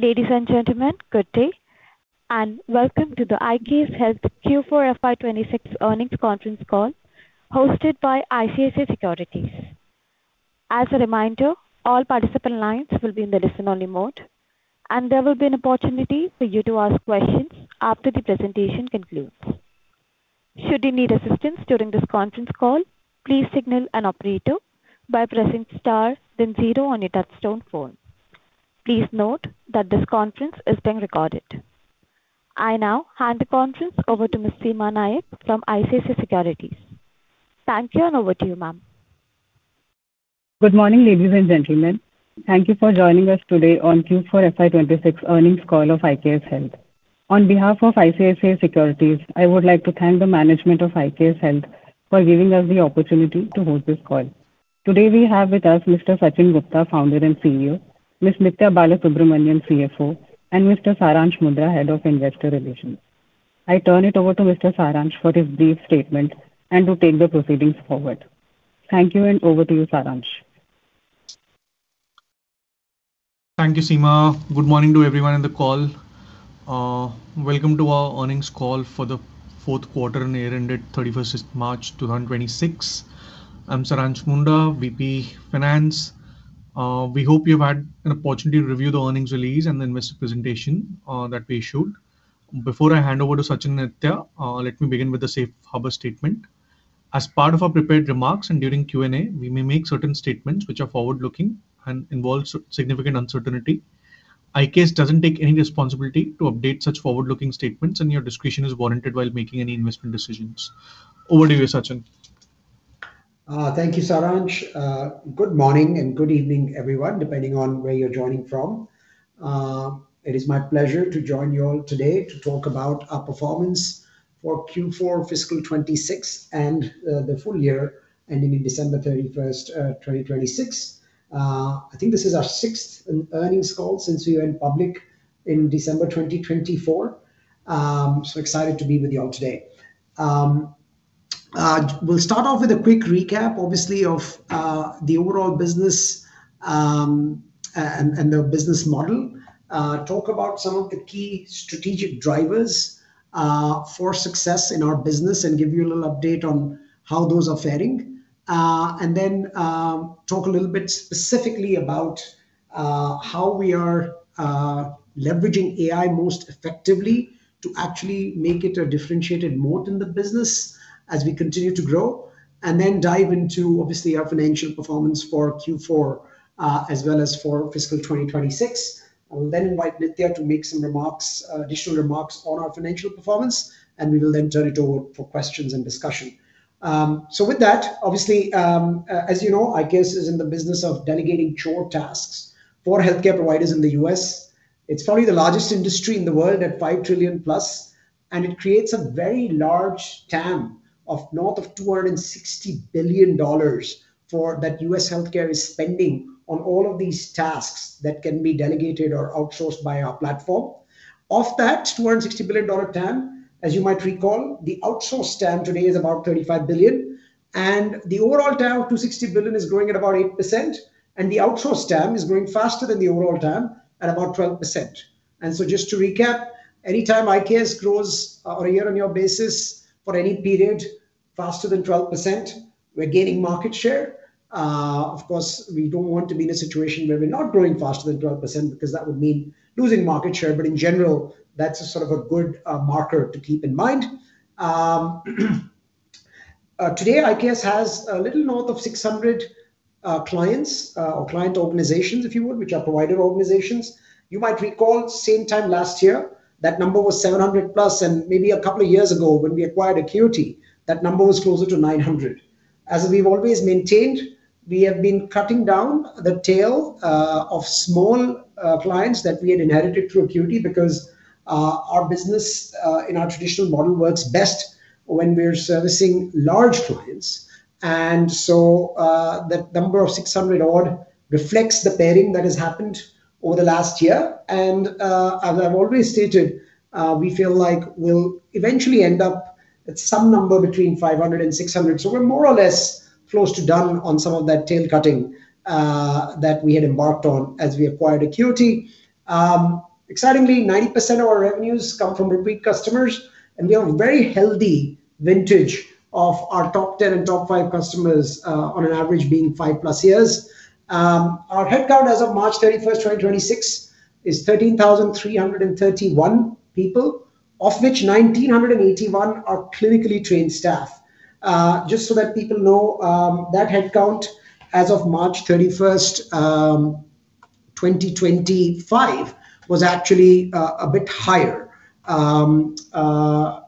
Ladies and gentlemen, good day, welcome to the IKS Health Q4 FY 2026 earnings conference call hosted by ICICI Securities. As a reminder, all participant lines will be in the listen-only mode, and there will be an opportunity for you to ask questions after the presentation concludes. Should you need assistance during this conference call, please signal an operator by pressing star then zero on your touchtone phone. Please note that this conference is being recorded. I now hand the conference over to Ms. Seema Nayak from ICICI Securities. Thank you, and over to you, ma'am. Good morning, ladies and gentlemen. Thank you for joining us today on Q4 FY 2026 earnings call of IKS Health. On behalf of ICICI Securities, I would like to thank the management of IKS Health for giving us the opportunity to host this call. Today, we have with us Mr. Sachin Gupta, Founder and CEO, Ms. Nithya Balasubramanian, CFO, and Mr. Saransh Mundra, Head of Investor Relations. I turn it over to Mr. Saransh for his brief statement and to take the proceedings forward. Thank you. Over to you, Saransh. Thank you, Seema. Good morning to everyone on the call. Welcome to our earnings call for the fourth quarter and year ended March 31st, 2026. I'm Saransh Mundra, VP Finance. We hope you've had an opportunity to review the earnings release and the investor presentation that we issued. Before I hand over to Sachin and Nithya, let me begin with a safe harbor statement. As part of our prepared remarks and during Q&A, we may make certain statements which are forward-looking and involve significant uncertainty. IKS doesn't take any responsibility to update such forward-looking statements. Your discretion is warranted while making any investment decisions. Over to you, Sachin. Thank you, Saransh. Good morning and good evening, everyone, depending on where you're joining from. It is my pleasure to join you all today to talk about our performance for Q4 fiscal 2026 and the full year ending in December 31st, 2026. I think this is our sixth earnings call since we went public in December 2024. Excited to be with you all today. We'll start off with a quick recap, obviously, of the overall business and the business model. Talk about some of the key strategic drivers for success in our business and give you a little update on how those are faring. Talk a little bit specifically about how we are leveraging AI most effectively to actually make it a differentiated moat in the business as we continue to grow. Dive into, obviously, our financial performance for Q4, as well as for fiscal 2026. I will then invite Nithya to make some remarks, additional remarks on our financial performance, and we will then turn it over for questions and discussion. With that, obviously, as you know, IKS is in the business of delegating chore tasks for healthcare providers in the U.S. It's probably the largest industry in the world at $5 trillion+, and it creates a very large TAM of north of $260 billion that U.S. healthcare is spending on all of these tasks that can be delegated or outsourced by our platform. Of that $260 billion TAM, as you might recall, the outsourced TAM today is about $35 billion, and the overall TAM of $260 billion is growing at about 8%, and the outsourced TAM is growing faster than the overall TAM at about 12%. Just to recap, any time IKS grows on a year-on-year basis for any period faster than 12%, we're gaining market share. Of course, we don't want to be in a situation where we're not growing faster than 12% because that would mean losing market share. In general, that's a sort of a good marker to keep in mind. Today, IKS has a little north of 600 clients, or client organizations if you would, which are provider organizations. You might recall same time last year, that number was 700+, and maybe a couple of years ago when we acquired AQuity, that number was closer to 900. As we've always maintained, we have been cutting down the tail of small clients that we had inherited through AQuity because our business in our traditional model works best when we're servicing large clients. That number of 600 odd reflects the paring that has happened over the last year. As I've always stated, we feel like we'll eventually end up at some number between 500 and 600. We're more or less close to done on some of that tail cutting that we had embarked on as we acquired AQuity. Excitingly, 90% of our revenues come from repeat customers, and we have a very healthy vintage of our top 10 and top five customers on an average being 5+ years. Our headcount as of March 31st, 2026 is 13,331 people, of which 1,981 are clinically trained staff. Just so that people know, that headcount as of March 31st, 2025 was actually a bit higher. Sorry, a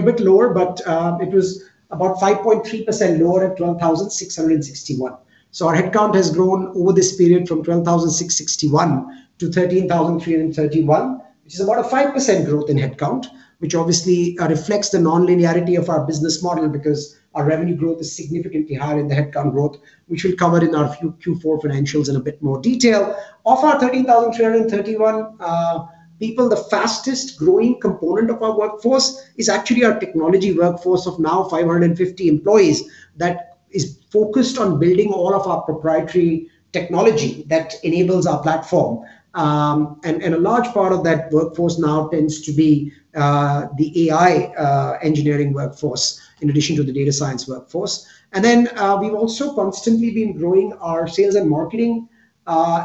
bit lower, but it was about 5.3% lower at 12,661. Our headcount has grown over this period from 12,661-13,331, which is about a 5% growth in headcount, which obviously reflects the non-linearity of our business model because our revenue growth is significantly higher than the headcount growth, which we'll cover in our Q4 financials in a bit more detail. Of our 13,331 people, the fastest-growing component of our workforce is actually our technology workforce of now 550 employees that is focused on building all of our proprietary technology that enables our platform. And a large part of that workforce now tends to be the AI engineering workforce in addition to the data science workforce. Then, we've also constantly been growing our sales and marketing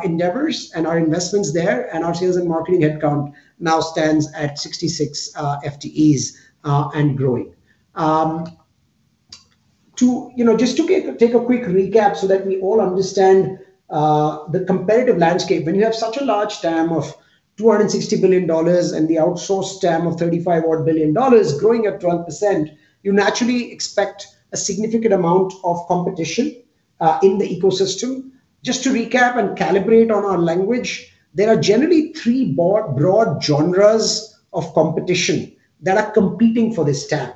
endeavors and our investments there, and our sales and marketing headcount now stands at 66 FTEs and growing. To, you know, just to take a quick recap so that we all understand the competitive landscape. When you have such a large TAM of $260 billion and the outsourced TAM of $35 billion growing at 12%, you naturally expect a significant amount of competition in the ecosystem. Just to recap and calibrate on our language, there are generally three broad genres of competition that are competing for this TAM.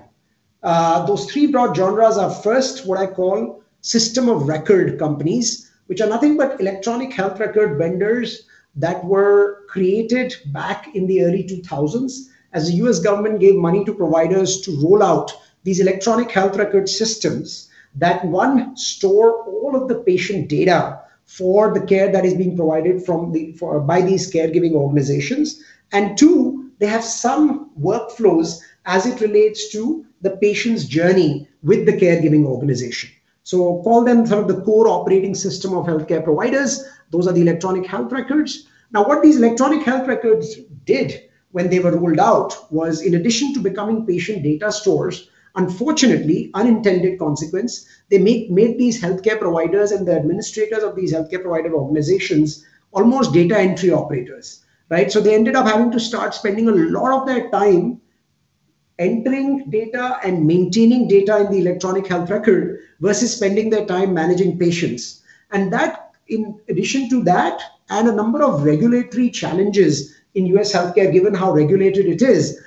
Those three broad genres are first, what I call system of record companies, which are nothing but electronic health record vendors that were created back in the early 2000s as the U.S. government gave money to providers to roll out these electronic health record systems that, one, store all of the patient data for the care that is being provided by these caregiving organizations. Two, they have some workflows as it relates to the patient's journey with the caregiving organization. Call them sort of the core operating system of healthcare providers. Those are the electronic health records. What these electronic health records did when they were rolled out was, in addition to becoming patient data stores, unfortunately, unintended consequence, they made these healthcare providers and the administrators of these healthcare provider organizations almost data entry operators, right? They ended up having to start spending a lot of their time entering data and maintaining data in the electronic health record versus spending their time managing patients. That, in addition to that, and a number of regulatory challenges in U.S. healthcare, given how regulated it is,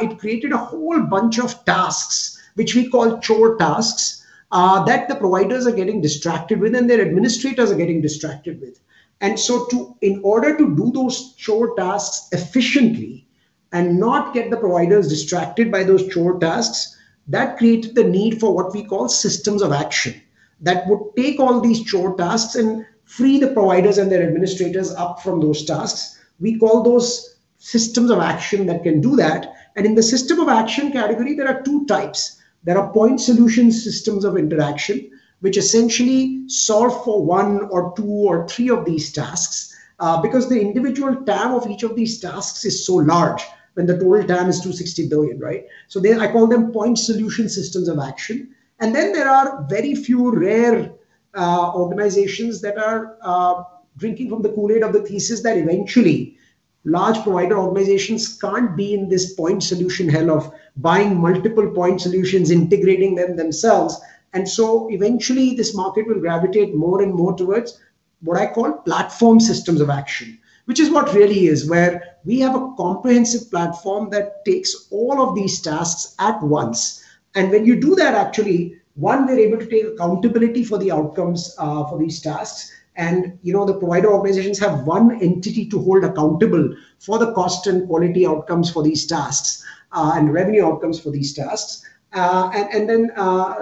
it created a whole bunch of tasks, which we call chore tasks, that the providers are getting distracted with and their administrators are getting distracted with. To, in order to do those chore tasks efficiently and not get the providers distracted by those chore tasks, that created the need for what we call systems of action that would take all these chore tasks and free the providers and their administrators up from those tasks. We call those systems of action that can do that. In the system of action category, there are two types. There are point solution systems of interaction, which essentially solve for one or two or three of these tasks, because the individual TAM of each of these tasks is so large when the total TAM is $260 billion, right? They, I call them point solution systems of action. Then there are very few rare organizations that are drinking from the Kool-Aid of the thesis that eventually large provider organizations can't be in this point solution hell of buying multiple point solutions, integrating them themselves. Eventually, this market will gravitate more and more towards what I call platform systems of action, which is what really is where we have a comprehensive platform that takes all of these tasks at once. When you do that, actually, one, we're able to take accountability for the outcomes for these tasks. You know, the provider organizations have one entity to hold accountable for the cost and quality outcomes for these tasks, and revenue outcomes for these tasks. And then,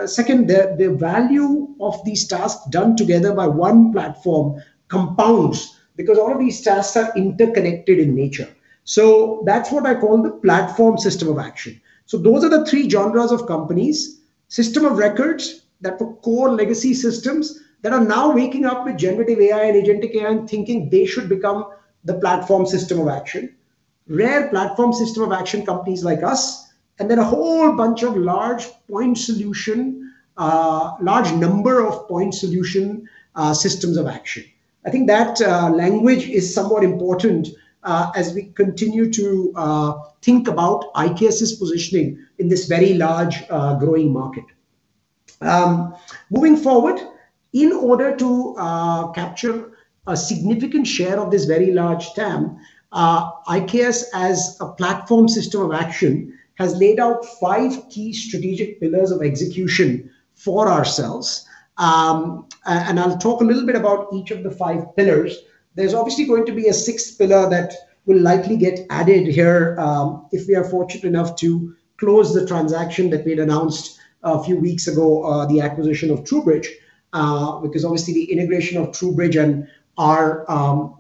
second, the value of these tasks done together by one platform compounds because all of these tasks are interconnected in nature. That's what I call the platform system of action. Those are the three genres of companies. System of records that were core legacy systems that are now waking up with generative AI and agentic AI and thinking they should become the platform system of action. Rare platform system of action companies like us, and then a whole bunch of large point solution, large number of point solution, systems of action. I think that language is somewhat important as we continue to think about IKS's positioning in this very large, growing market. Moving forward, in order to capture a significant share of this very large TAM, IKS as a platform system of action has laid out five key strategic pillars of execution for ourselves. I'll talk a little bit about each of the five pillars. There's obviously going to be a sixth pillar that will likely get added here, if we are fortunate enough to close the transaction that we'd announced a few weeks ago, the acquisition of TruBridge, because obviously the integration of TruBridge and our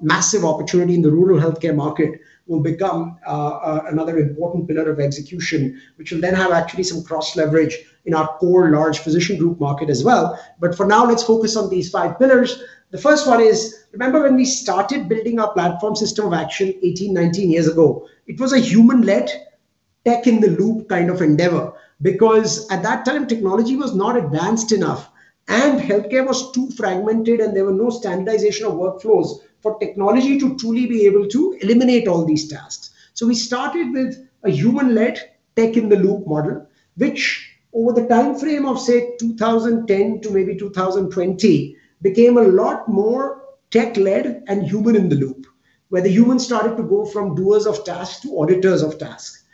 massive opportunity in the rural healthcare market will become another important pillar of execution, which will then have actually some cross-leverage in our core large physician group market as well. For now, let's focus on these five pillars. The first one is, remember when we started building our platform system of action 18, 19 years ago, it was a human-led tech-in-the-loop kind of endeavor because at that time, technology was not advanced enough, and healthcare was too fragmented, and there were no standardization of workflows for technology to truly be able to eliminate all these tasks. We started with a human-led tech-in-the-loop model, which over the timeframe of, say, 2010 to maybe 2020, became a lot more tech-led and human-in-the-loop, where the humans started to go from doers of tasks to auditors of tasks.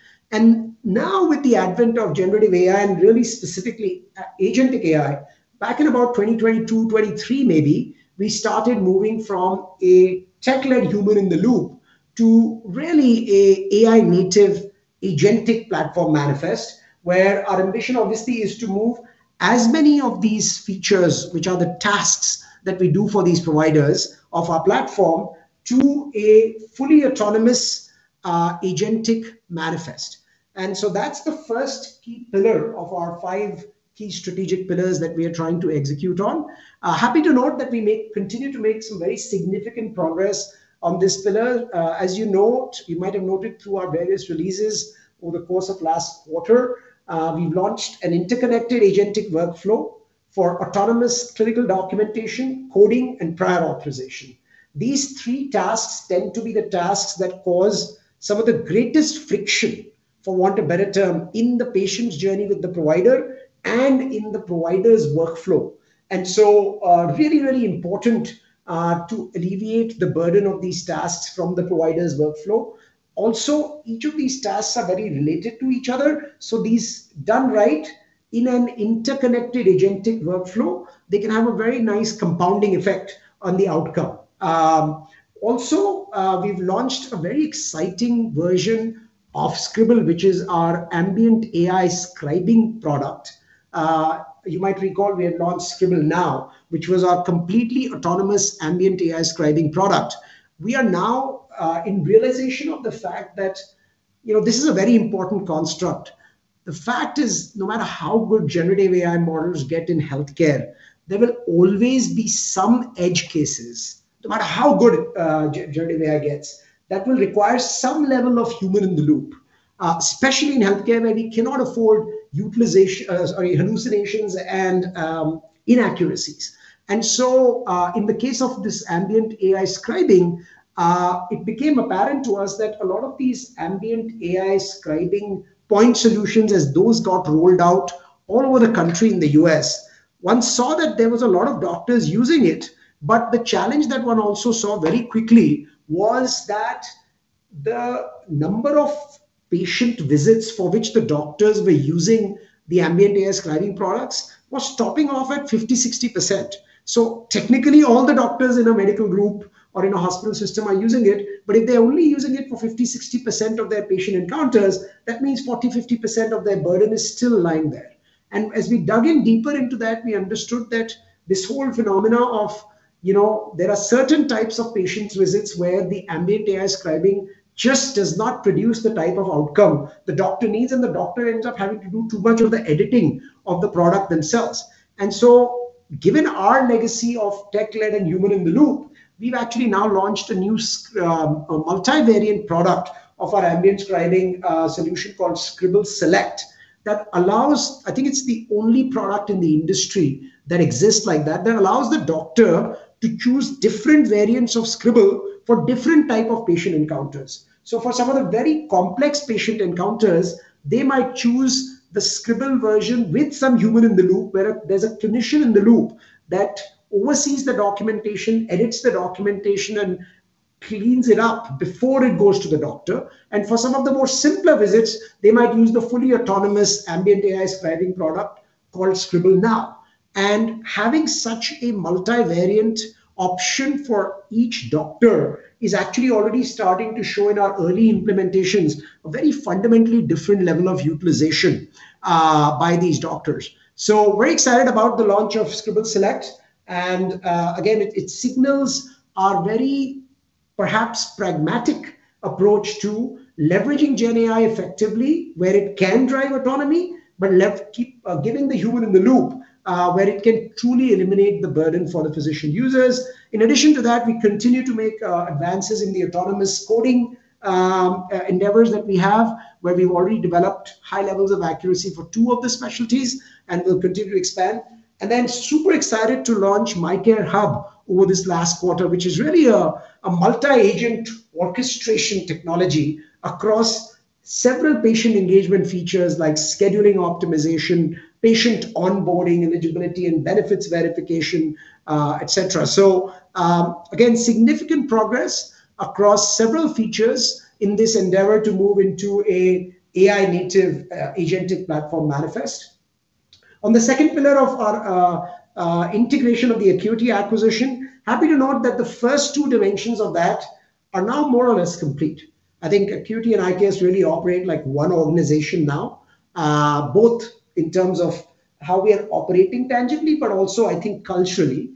Now with the advent of generative AI and really specifically agentic AI, back in about 2022, 2023 maybe, we started moving from a tech-led human-in-the-loop to really a AI-native agentic platform manifest, where our ambition obviously is to move as many of these features, which are the tasks that we do for these providers of our platform, to a fully autonomous, agentic manifest. That's the first key pillar of our five key strategic pillars that we are trying to execute on. Happy to note that we continue to make some very significant progress on this pillar. As you note, you might have noted through our various releases over the course of last quarter, we've launched an interconnected agentic workflow for autonomous clinical documentation, coding, and prior authorization. These three tasks tend to be the tasks that cause some of the greatest friction, for want of a better term, in the patient's journey with the provider and in the provider's workflow. Really important to alleviate the burden of these tasks from the provider's workflow. Also, each of these tasks are very related to each other, these done right in an interconnected agentic workflow, they can have a very nice compounding effect on the outcome. We've launched a very exciting version of Scribble, which is our ambient AI scribing product. You might recall we had launched Scribble Now, which was our completely autonomous Ambient AI scribing product. We are now in realization of the fact that, you know, this is a very important construct. The fact is, no matter how good generative AI models get in healthcare, there will always be some edge cases, no matter how good generative AI gets, that will require some level of human-in-the-loop, especially in healthcare, where we cannot afford sorry, hallucinations and inaccuracies. In the case of this Ambient AI scribing, it became apparent to us that a lot of these Ambient AI scribing point solutions, as those got rolled out all over the country in the U.S., one saw that there was a lot of doctors using it. The challenge that one also saw very quickly was that the number of patient visits for which the doctors were using the Ambient AI scribing products was topping off at 50%, 60%. Technically, all the doctors in a medical group or in a hospital system are using it, but if they're only using it for 50%, 60% of their patient encounters, that means 40%, 50% of their burden is still lying there. As we dug in deeper into that, we understood that this whole phenomena of, you know, there are certain types of patients' visits where the Ambient AI scribing just does not produce the type of outcome the doctor needs, and the doctor ends up having to do too much of the editing of the product themselves. Given our legacy of tech-led and human-in-the-loop, we've actually now launched a new multivariate product of our Ambient Scribing solution called Scribble Select, I think it's the only product in the industry that exists like that allows the doctor to choose different variants of Scribble for different type of patient encounters. For some of the very complex patient encounters, they might choose the Scribble version with some human in the loop, where there's a clinician in the loop that oversees the documentation, edits the documentation, and cleans it up before it goes to the doctor. For some of the more simpler visits, they might use the fully autonomous Ambient AI scribing product called Scribble Now. Having such a multi-variant option for each doctor is actually already starting to show in our early implementations a very fundamentally different level of utilization by these doctors. Very excited about the launch of Scribble Select. Again, it signals our very perhaps pragmatic approach to leveraging gen AI effectively where it can drive autonomy, but left keep giving the human in the loop where it can truly eliminate the burden for the physician users. In addition to that, we continue to make advances in the autonomous coding endeavors that we have, where we've already developed high levels of accuracy for two of the specialties and will continue to expand. Super excited to launch MyCare Hub over this last quarter, which is really a multi-agent orchestration technology across several patient engagement features like scheduling optimization, patient onboarding, eligibility, and benefits verification, etc. Again, significant progress across several features in this endeavor to move into an AI native, agentic platform manifest. On the second pillar of our integration of the AQuity acquisition, happy to note that the first two dimensions of that are now more or less complete. I think AQuity and IKS really operate like one organization now, both in terms of how we are operating tangibly, but also I think culturally.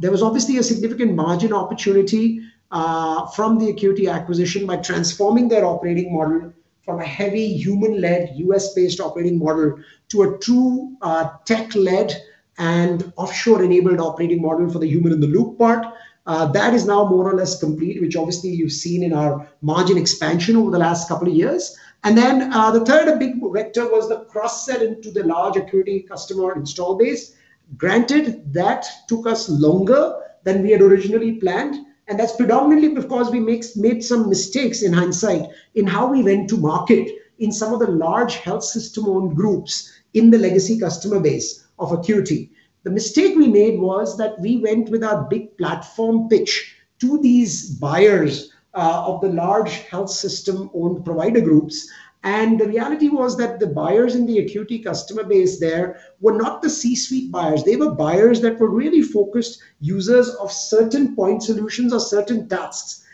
There was obviously a significant margin opportunity from the AQuity acquisition by transforming their operating model from a heavy human-led, U.S.-based operating model to a true, tech-led and offshore-enabled operating model for the human-in-the-loop part. That is now more or less complete, which obviously you've seen in our margin expansion over the last couple of years. Then, the third big vector was the cross-sell into the large AQuity customer install base. Granted, that took us longer than we had originally planned, and that's predominantly because we made some mistakes in hindsight in how we went to market in some of the large health system-owned groups in the legacy customer base of AQuity. The mistake we made was that we went with our big platform pitch to these buyers, of the large health system-owned provider groups. The reality was that the buyers in the AQuity customer base there were not the C-suite buyers. They were buyers that were really focused users of certain point solutions or certain tasks.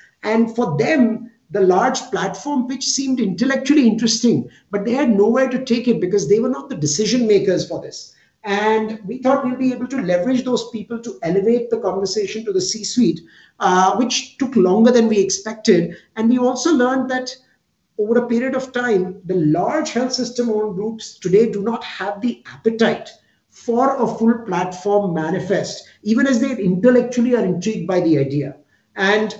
For them, the large platform pitch seemed intellectually interesting, but they had nowhere to take it because they were not the decision-makers for this. We thought we'd be able to leverage those people to elevate the conversation to the C-suite, which took longer than we expected. We also learned. Over a period of time, the large health system-owned groups today do not have the appetite for a full platform manifest, even as they intellectually are intrigued by the idea, and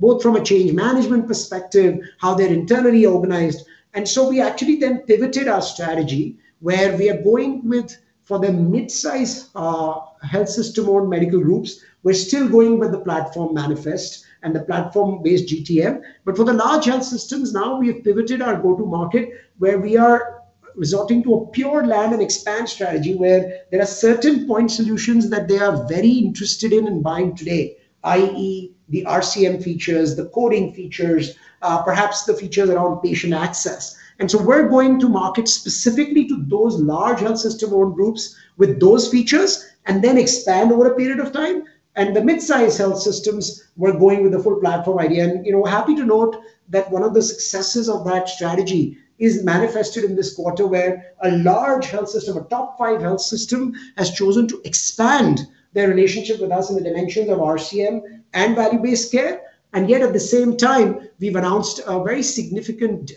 both from a change management perspective, how they're internally organized. We actually then pivoted our strategy where we are going with, for the mid-size, health system-owned medical groups, we're still going with the platform manifest and the platform-based GTM. For the large health systems, now we have pivoted our go-to-market where we are resorting to a pure land and expand strategy, where there are certain point solutions that they are very interested in buying today, i.e., the RCM features, the coding features, perhaps the features around patient access. We're going to market specifically to those large health system-owned groups with those features and then expand over a period of time. The mid-size health systems, we're going with the full platform idea. You know, happy to note that one of the successes of that strategy is manifested in this quarter where a large health system, a top five health system, has chosen to expand their relationship with us in the dimensions of RCM and value-based care. Yet, at the same time, we've announced a very significant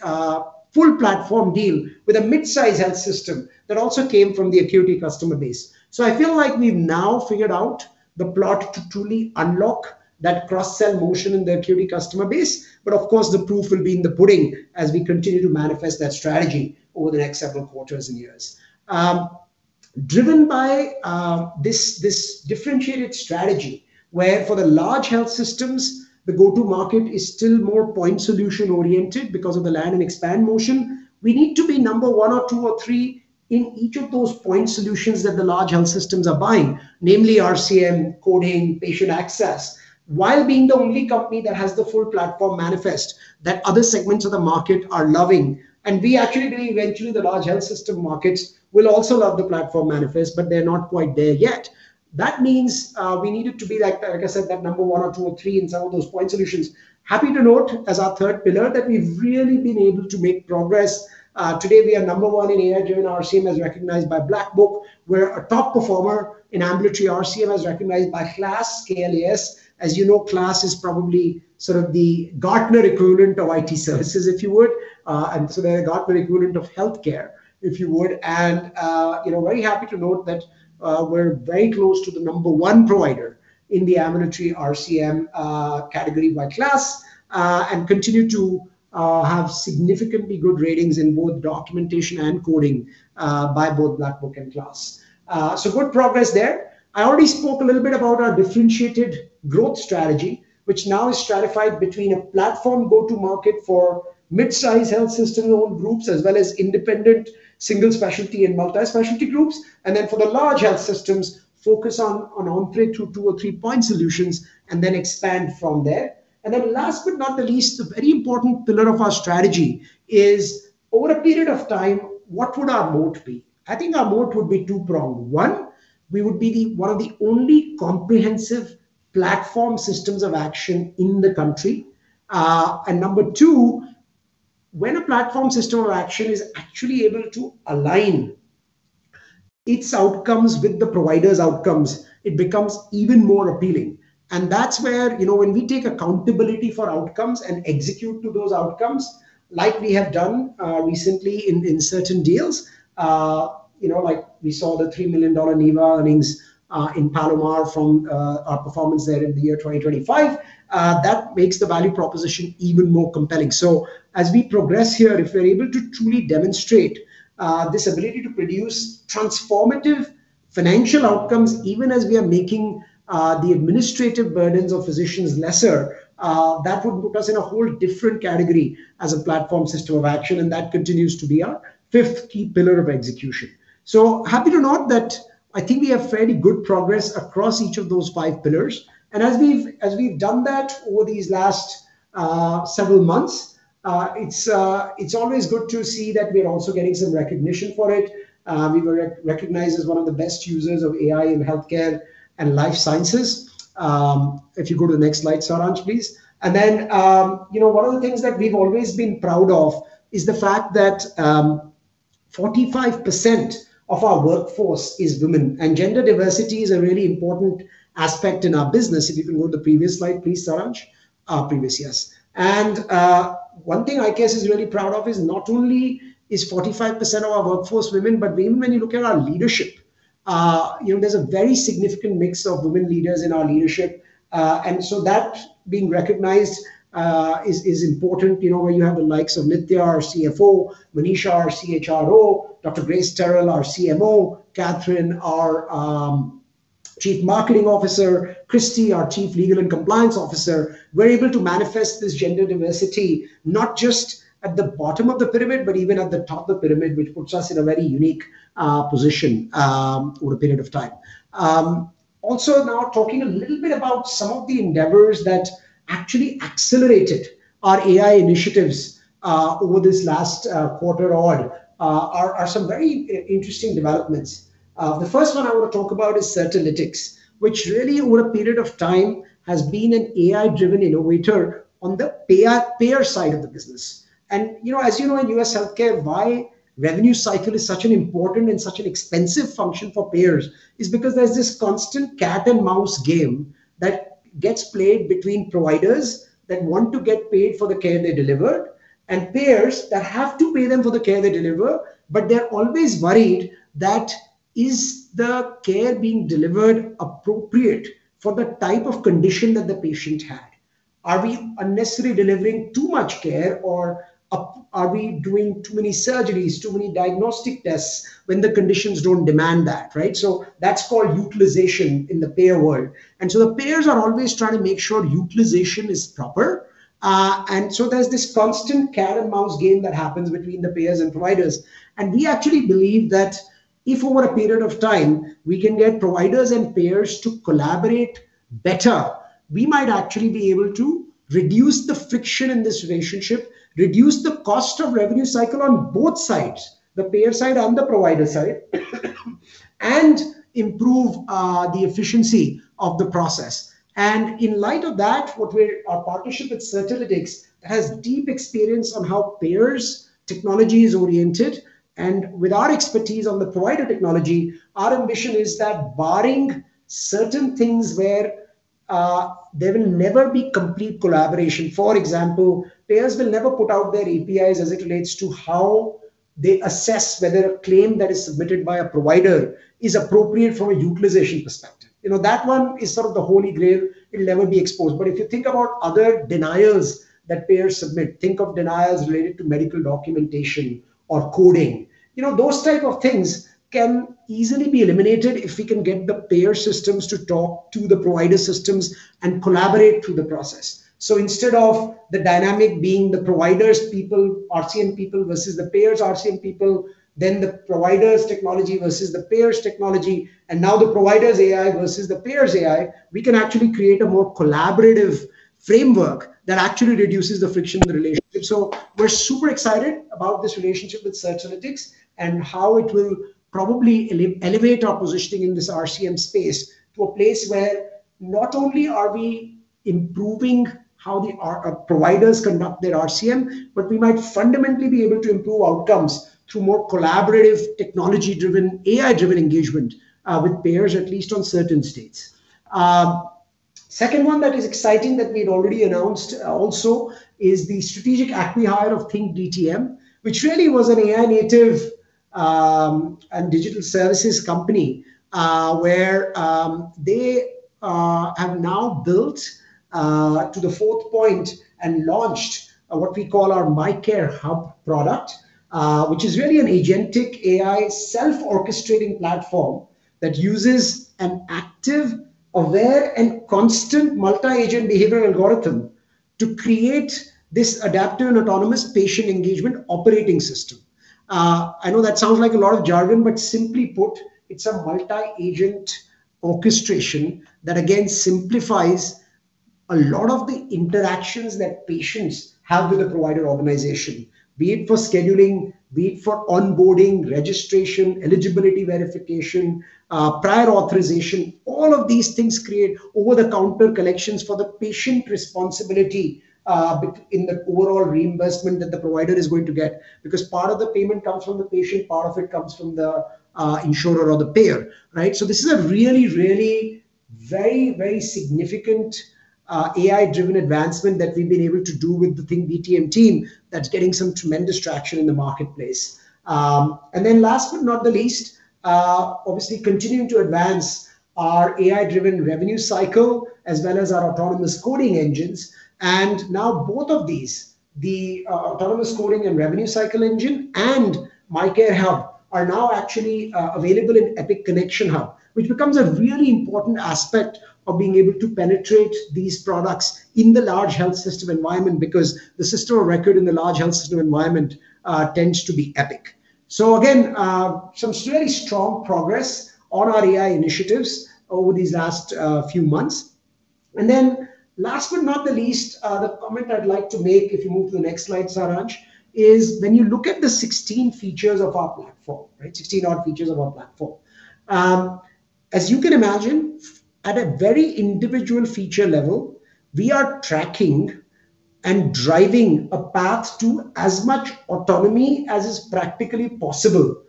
full platform deal with a mid-size health system that also came from the AQuity customer base. I feel like we've now figured out the plot to truly unlock that cross-sell motion in the AQuity customer base. Of course, the proof will be in the pudding as we continue to manifest that strategy over the next several quarters and years. Driven by this differentiated strategy, where for the large health systems, the go-to-market is still more point solution oriented because of the land and expand motion. We need to be number one or two or three in each of those point solutions that the large health systems are buying, namely RCM, coding, patient access, while being the only company that has the full platform manifest that other segments of the market are loving. We actually believe eventually the large health system markets will also love the platform manifest, but they're not quite there yet. That means, we needed to be like I said, that number one or two or three in some of those point solutions. Happy to note as our third pillar that we've really been able to make progress. Today we are number one in AI-driven RCM as recognized by Black Book. We're a top performer in ambulatory RCM as recognized by KLAS, K-L-A-S. As you know, KLAS is probably sort of the Gartner equivalent of IT services, if you would, they're the Gartner equivalent of healthcare, if you would. You know, very happy to note that we're very close to the number one provider in the ambulatory RCM category by KLAS, and continue to have significantly good ratings in both documentation and coding by both Black Book and KLAS. Good progress there. I already spoke a little bit about our differentiated growth strategy, which now is stratified between a platform go-to-market for mid-size health system-owned groups, as well as independent single specialty and multi-specialty groups. For the large health systems, focus on entree through two or three point solutions and then expand from there. Last but not the least, a very important pillar of our strategy is over a period of time, what would our moat be? I think our moat would be two-pronged. One, we would be the one of the only comprehensive platform systems of action in the country. Number two, when a platform system of action is actually able to align its outcomes with the provider's outcomes, it becomes even more appealing. That's where, you know, when we take accountability for outcomes and execute to those outcomes like we have done, recently in certain deals, you know, like we saw the $3 million NEVA earnings in Palomar from our performance there in the year 2025, that makes the value proposition even more compelling. As we progress here, if we're able to truly demonstrate this ability to produce transformative financial outcomes, even as we are making the administrative burdens of physicians lesser, that would put us in a whole different category as a platform system of action, and that continues to be our fifth key pillar of execution. Happy to note that I think we have fairly good progress across each of those five pillars. As we've done that over these last several months, it's always good to see that we're also getting some recognition for it. We were recognized as one of the best users of AI in healthcare and life sciences. If you go to the next slide, Saransh, please. Then, you know, one of the things that we've always been proud of is the fact that 45% of our workforce is women, and gender diversity is a really important aspect in our business. If you can go to the previous slide, please, Saransh. Previous, yes. One thing IKS is really proud of is not only is 45% of our workforce women, but even when you look at our leadership, you know, there's a very significant mix of women leaders in our leadership. So that being recognized, is important. You know, where you have the likes of Nithya, our CFO, Manisha, our CHRO, Dr. Grace Terrell, our CMO, Katherine, our Chief Marketing Officer, Christi, our Chief Legal and Compliance Officer. We're able to manifest this gender diversity not just at the bottom of the pyramid, but even at the top of the pyramid, which puts us in a very unique position over a period of time. Also now talking a little bit about some of the endeavors that actually accelerated our AI initiatives over this last quarter on some very interesting developments. The first one I want to talk about is Certilytics, which really over a period of time has been an AI-driven innovator on the payer side of the business. You know, as you know, in U.S. healthcare, why revenue cycle is such an important and such an expensive function for payers is because there's this constant cat-and-mouse game that gets played between providers that want to get paid for the care they deliver and payers that have to pay them for the care they deliver, but they're always worried that is the care being delivered appropriate for the type of condition that the patient had? Are we unnecessarily delivering too much care, or are we doing too many surgeries, too many diagnostic tests when the conditions don't demand that, right? That's called utilization in the payer world. The payers are always trying to make sure utilization is proper. There's this constant cat-and-mouse game that happens between the payers and providers. We actually believe that if over a period of time we can get providers and payers to collaborate better, we might actually be able to reduce the friction in this relationship, reduce the cost of revenue cycle on both sides, the payer side and the provider side, and improve the efficiency of the process. In light of that, our partnership with Certilytics has deep experience on how payers, technology is oriented, and with our expertise on the provider technology, our ambition is that barring certain things where there will never be complete collaboration. For example, payers will never put out their APIs as it relates to how they assess whether a claim that is submitted by a provider is appropriate from a utilization perspective. You know, that one is sort of the Holy Grail. It'll never be exposed. If you think about other denials that payers submit, think of denials related to medical documentation or coding. You know, those type of things can easily be eliminated if we can get the payer systems to talk to the provider systems and collaborate through the process. Instead of the dynamic being the providers' people, RCM people versus the payers' RCM people, then the provider's technology versus the payer's technology, and now the provider's AI versus the payer's AI, we can actually create a more collaborative framework that actually reduces the friction in the relationship. We're super excited about this relationship with Certilytics and how it will probably elevate our positioning in this RCM space to a place where not only are we improving how providers conduct their RCM, but we might fundamentally be able to improve outcomes through more collaborative, technology-driven, AI-driven engagement with payers, at least on certain states. Second one that is exciting that we'd already announced also is the strategic acqui-hire of ThinkDTM, which really was an AI-native and digital services company, where they have now built to the fourth point and launched what we call our MyCare Hub product, which is really an agentic AI self-orchestrating platform that uses an active, aware, and constant multi-agent behavioral algorithm to create this adaptive and autonomous patient engagement operating system. I know that sounds like a lot of jargon, simply put, it's a multi-agent orchestration that again simplifies a lot of the interactions that patients have with a provider organization, be it for scheduling, be it for onboarding, registration, eligibility verification, prior authorization. All of these things create over-the-counter collections for the patient responsibility in the overall reimbursement that the provider is going to get because part of the payment comes from the patient, part of it comes from the insurer or the payer, right? This is a really, really very, very significant AI-driven advancement that we've been able to do with the ThinkDTM team that's getting some tremendous traction in the marketplace. Last but not the least, obviously continuing to advance our AI-driven revenue cycle as well as our autonomous coding engines. Now both of these, the autonomous coding and revenue cycle engine and MyCare Hub are now actually available in Epic Connection Hub, which becomes a really important aspect of being able to penetrate these products in the large health system environment because the system of record in the large health system environment tends to be Epic. Again, some really strong progress on our AI initiatives over these last few months. Then last but not the least, the comment I'd like to make if you move to the next slide, Saransh, is when you look at the 16 features of our platform, right? 16 odd features of our platform. As you can imagine, at a very individual feature level, we are tracking and driving a path to as much autonomy as is practically possible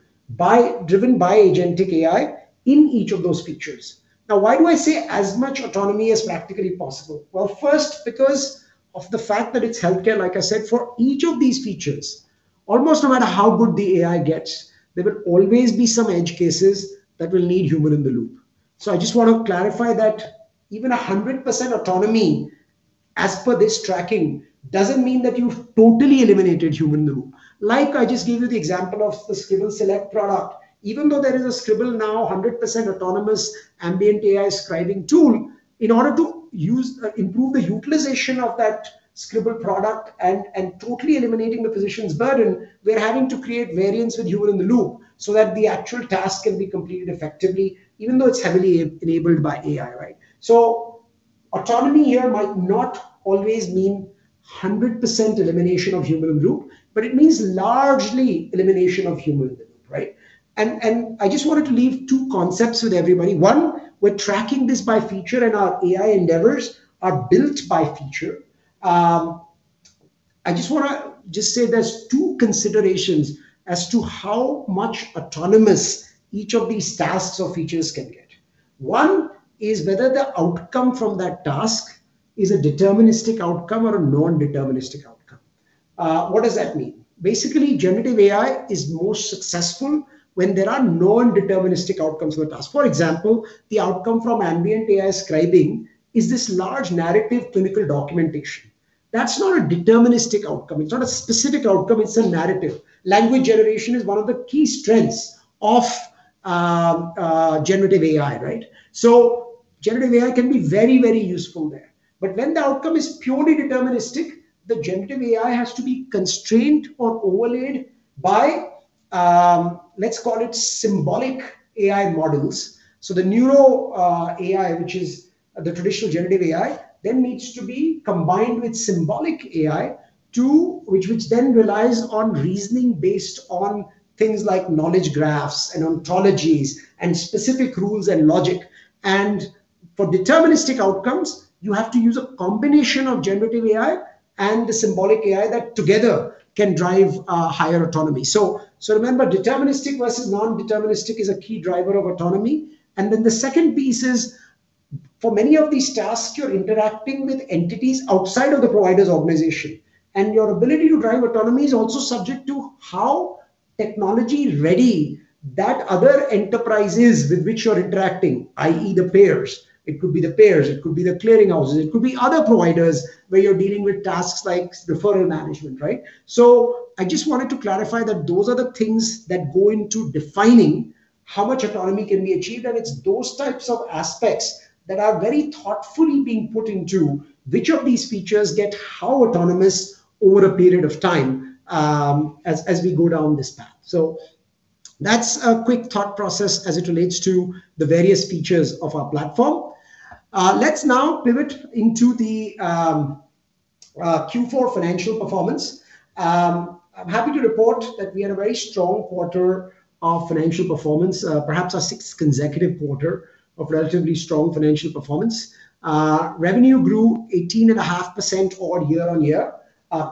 driven by agentic AI in each of those features. Why do I say as much autonomy as practically possible? Well, first because of the fact that it's healthcare, like I said, for each of these features, almost no matter how good the AI gets, there will always be some edge cases that will need human in the loop. I just wanna clarify that even a 100% autonomy as per this tracking doesn't mean that you've totally eliminated human in the loop. Like I just gave you the example of the Scribble Select product. Even though there is a Scribble Now 100% autonomous Ambient AI scribing tool, in order to use, improve the utilization of that Scribble product and totally eliminating the physician's burden, we're having to create variants with human in the loop so that the actual task can be completed effectively, even though it's heavily enabled by AI, right? Autonomy here might not always mean 100% elimination of human in the loop, but it means largely elimination of human in the loop, right? I just wanted to leave two concepts with everybody. One, we're tracking this by feature and our AI endeavors are built by feature. I just wanna say there's two considerations as to how much autonomous each of these tasks or features can get. One is whether the outcome from that task is a deterministic outcome or a non-deterministic outcome. What does that mean? Basically, generative AI is most successful when there are non-deterministic outcomes in the task. For example, the outcome from Ambient AI scribing is this large narrative clinical documentation. That's not a deterministic outcome. It's not a specific outcome, it's a narrative. Language generation is one of the key strengths of generative AI, right? Generative AI can be very, very useful there. When the outcome is purely deterministic, the generative AI has to be constrained or overlaid by, let's call it symbolic AI models. The neural AI, which is the traditional generative AI, then needs to be combined with symbolic AI which then relies on reasoning based on things like knowledge graphs and ontologies and specific rules and logic. For deterministic outcomes, you have to use a combination of generative AI and the symbolic AI that together can drive higher autonomy. Remember, deterministic versus non-deterministic is a key driver of autonomy. The second piece is, for many of these tasks, you're interacting with entities outside of the provider's organization, and your ability to drive autonomy is also subject to how technology-ready that other enterprise is with which you're interacting, i.e. the payers. It could be the payers, it could be the clearing houses, it could be other providers where you're dealing with tasks like referral management. I just wanted to clarify that those are the things that go into defining how much autonomy can be achieved. It's those types of aspects that are very thoughtfully being put into which of these features get how autonomous over a period of time, as we go down this path. That's a quick thought process as it relates to the various features of our platform. Let's now pivot into the Q4 financial performance. I'm happy to report that we had a very strong quarter of financial performance, perhaps our sixth consecutive quarter of relatively strong financial performance. Revenue grew 18.5% odd year-on-year,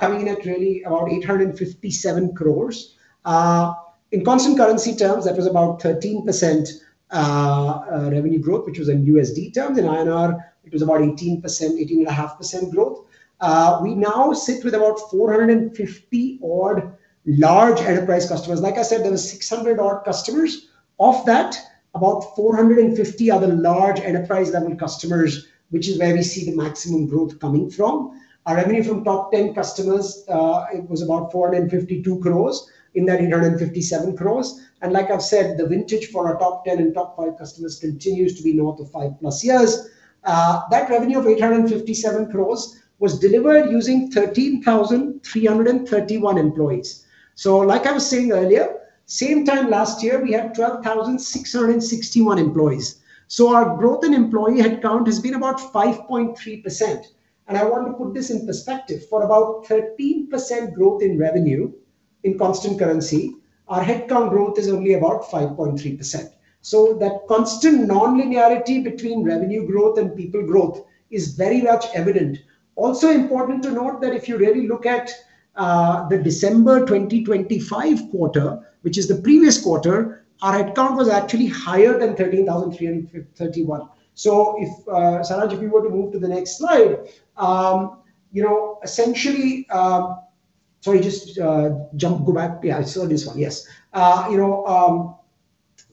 coming in at really about 857 crores. In constant currency terms, that was about 13% revenue growth, which was in USD. In terms in INR, it was about 18.5% growth. We now sit with about 450 odd large enterprise customers. Like I said, there were 600 odd customers. Of that, about 450 are the large enterprise-level customers, which is where we see the maximum growth coming from. Our revenue from top 10 customers, it was about 452 crores in that 857 crores. Like I've said, the vintage for our top 10 and top five customers continues to be north of 5+ years. That revenue of 857 crores was delivered using 13,331 employees. Like I was saying earlier, same time last year, we had 12,661 employees. Our growth in employee headcount has been about 5.3%. I want to put this in perspective. For about 13% growth in revenue in constant currency, our headcount growth is only about 5.3%. That constant nonlinearity between revenue growth and people growth is very much evident. Also important to note that if you really look at the December 2025 quarter, which is the previous quarter, our headcount was actually higher than 13,331. If, Saransh, if you were to move to the next slide. You know, essentially, Sorry, just go back. Yeah, it's still this one. Yes. You know,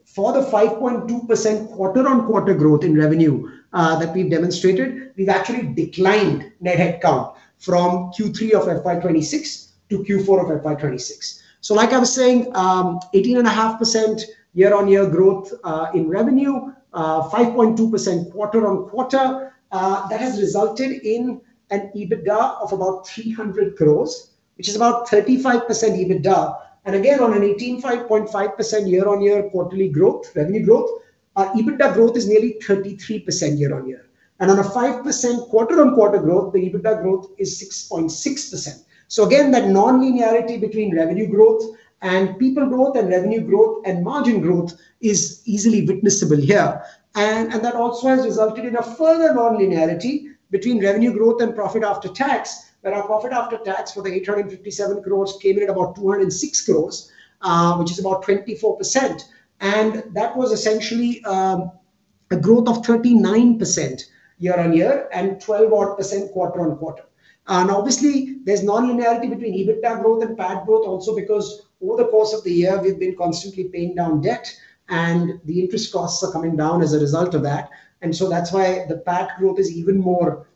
for the 5.2% quarter-on-quarter growth in revenue that we've demonstrated, we've actually declined net headcount from Q3 of FY 2026 to Q4 of FY 2026. Like I was saying, 18.5% year-on-year growth in revenue, 5.2% quarter-on-quarter. That has resulted in an EBITDA of about 300 crores, which is about 35% EBITDA. Again, on an 18.5% year-on-year quarterly revenue growth, our EBITDA growth is nearly 33% year-on-year. On a 5% quarter-on-quarter growth, the EBITDA growth is 6.6%. Again, that nonlinearity between revenue growth and people growth and revenue growth and margin growth is easily witnessable here. That also has resulted in a further nonlinearity between revenue growth and profit after tax, where our profit after tax for the 857 crores came in at about 206 crores, which is about 24%. That was essentially a growth of 39% year-on-year and 12% quarter-on-quarter. Obviously, there's nonlinearity between EBITDA growth and PAT growth also because over the course of the year, we've been constantly paying down debt, and the interest costs are coming down as a result of that. That's why the PAT growth is even more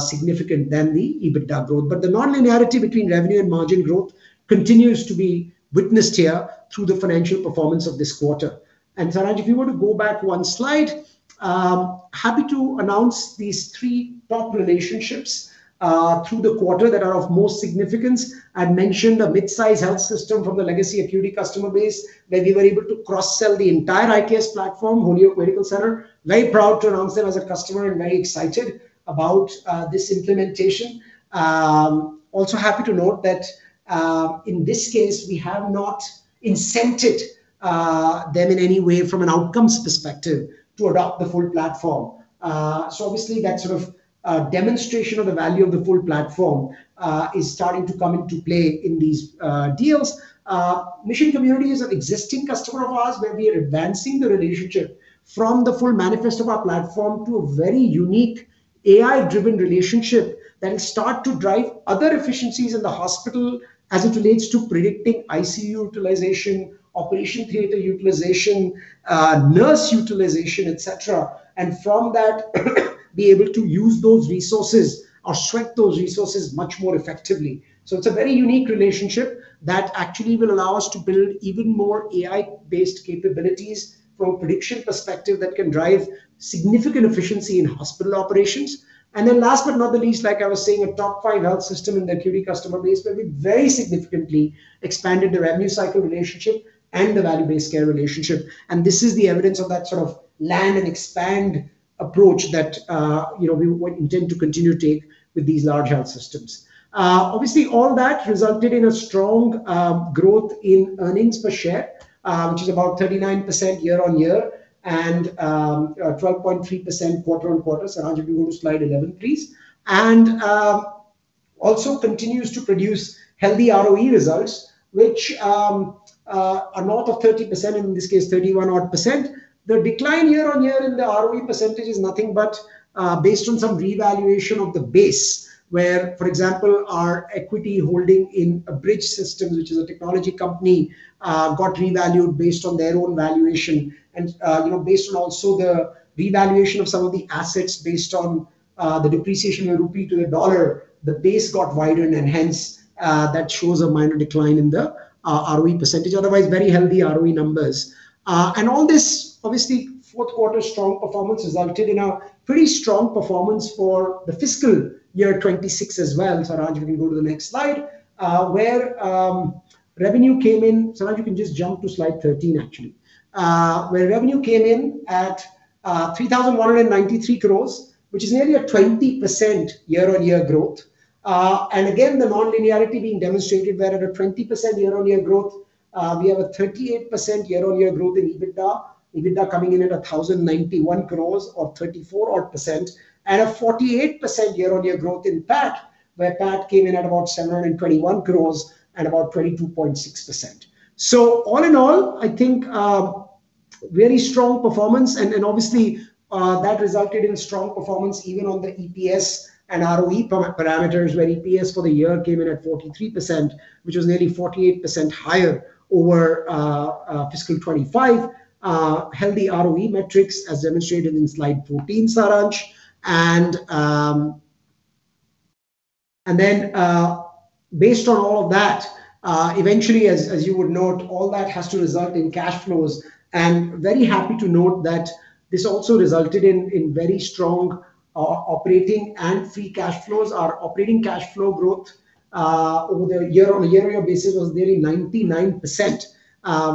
significant than the EBITDA growth. The nonlinearity between revenue and margin growth continues to be witnessed here through the financial performance of this quarter. Saransh, if you were to go back one slide. Happy to announce these three top relationships through the quarter that are of most significance. I'd mentioned a mid-size health system from the legacy AQuity customer base where we were able to cross-sell the entire IKS platform, Holyoke Medical Center. Very proud to announce them as a customer and very excited about this implementation. Also happy to note that in this case, we have not incented them in any way from an outcomes perspective to adopt the full platform. Obviously that sort of demonstration of the value of the full platform is starting to come into play in these deals. Mission Community is an existing customer of ours where we are advancing the relationship from the full manifest of our platform to a very unique AI-driven relationship that will start to drive other efficiencies in the hospital as it relates to predicting ICU utilization, operation theater utilization, nurse utilization, etc. From that be able to use those resources or stretch those resources much more effectively. It's a very unique relationship that actually will allow us to build even more AI-based capabilities from a prediction perspective that can drive significant efficiency in hospital operations. Last but not the least, like I was saying, a top five health system in their AQuity customer base where we very significantly expanded the revenue cycle relationship and the value-based care relationship. This is the evidence of that sort of land and expand approach that, you know, we intend to continue to take with these large health systems. Obviously, all that resulted in a strong growth in earnings per share, which is about 39% year-on-year and 12.3% quarter-on-quarter. Saransh, if you go to slide 11, please. Also continues to produce healthy ROE results, which are north of 30%, in this case 31% odd. The decline year-on-year in the ROE percentage is nothing but based on some revaluation of the base, where, for example, our AQuity holding in Abridge, which is a technology company, got revalued based on their own valuation. You know, based on also the revaluation of some of the assets based on the depreciation of rupee to the dollar, the base got widened, and hence, that shows a minor decline in the ROE percentage. Otherwise, very healthy ROE numbers. All this, obviously, fourth quarter strong performance resulted in a pretty strong performance for the fiscal year 2026 as well. Saransh, if you can go to the next slide. Where revenue came in. Saransh, you can just jump to slide 13, actually. Where revenue came in at 3,193 crores, which is nearly a 20% year-on-year growth. And again, the non-linearity being demonstrated where at a 20% year-on-year growth, we have a 38% year-on-year growth in EBITDA. EBITDA coming in at 1,091 crores or 34-odd%. A 48% year-on-year growth in PAT, where PAT came in at about 721 crores and about 22.6%. All in all, I think, really strong performance and obviously, that resulted in strong performance even on the EPS and ROE parameters, where EPS for the year came in at 43%, which was nearly 48% higher over fiscal 2025. Healthy ROE metrics as demonstrated in slide 14, Saransh. Then, based on all of that, eventually, as you would note, all that has to result in cash flows. Very happy to note that this also resulted in very strong operating and free cash flows. Our operating cash flow growth over the year-on-year basis was nearly 99%,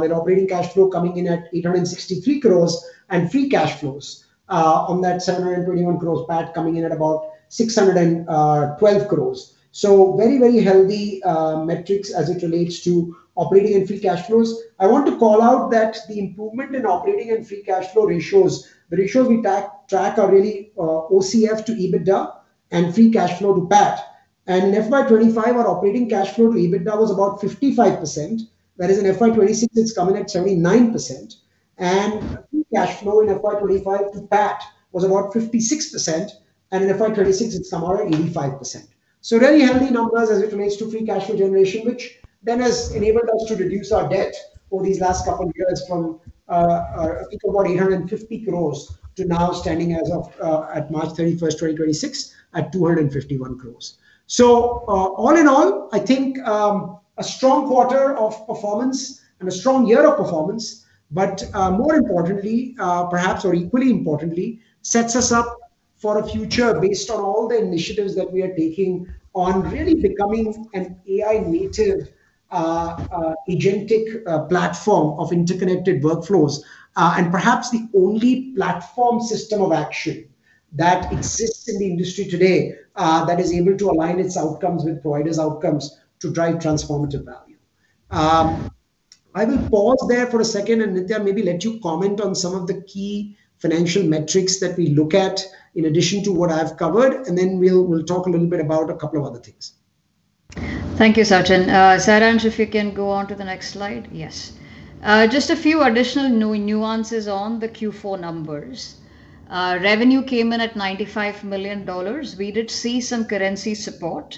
with operating cash flow coming in at 863 crores and free cash flows on that 721 crores PAT coming in at about 612 crores. Very, very healthy metrics as it relates to operating and free cash flows. I want to call out that the improvement in operating and free cash flow ratios. The ratios we track are really OCF to EBITDA and free cash flow to PAT. In FY 2025, our operating cash flow to EBITDA was about 55%. Whereas in FY 2026, it's come in at 79%. Free cash flow in FY 2025 to PAT was about 56%, and in FY 2026, it's come out at 85%. Really healthy numbers as it relates to free cash flow generation, which then has enabled us to reduce our debt over these last couple of years from, I think about 850 crores to now standing as of March 31st, 2026, at 251 crores. All in all, I think, a strong quarter of performance and a strong year of performance, but, more importantly, perhaps or equally importantly, sets us up for a future based on all the initiatives that we are taking on really becoming an AI native, agentic, platform of interconnected workflows. Perhaps the only platform system of action that exists in the industry today, that is able to align its outcomes with providers' outcomes to drive transformative value. I will pause there for a second, and Nithya, maybe let you comment on some of the key financial metrics that we look at in addition to what I've covered, and then we'll talk a little bit about a couple of other things. Thank you, Sachin. Saransh, if you can go on to the next slide. Yes. Just a few additional nuances on the Q4 numbers. Revenue came in at $95 million. We did see some currency support.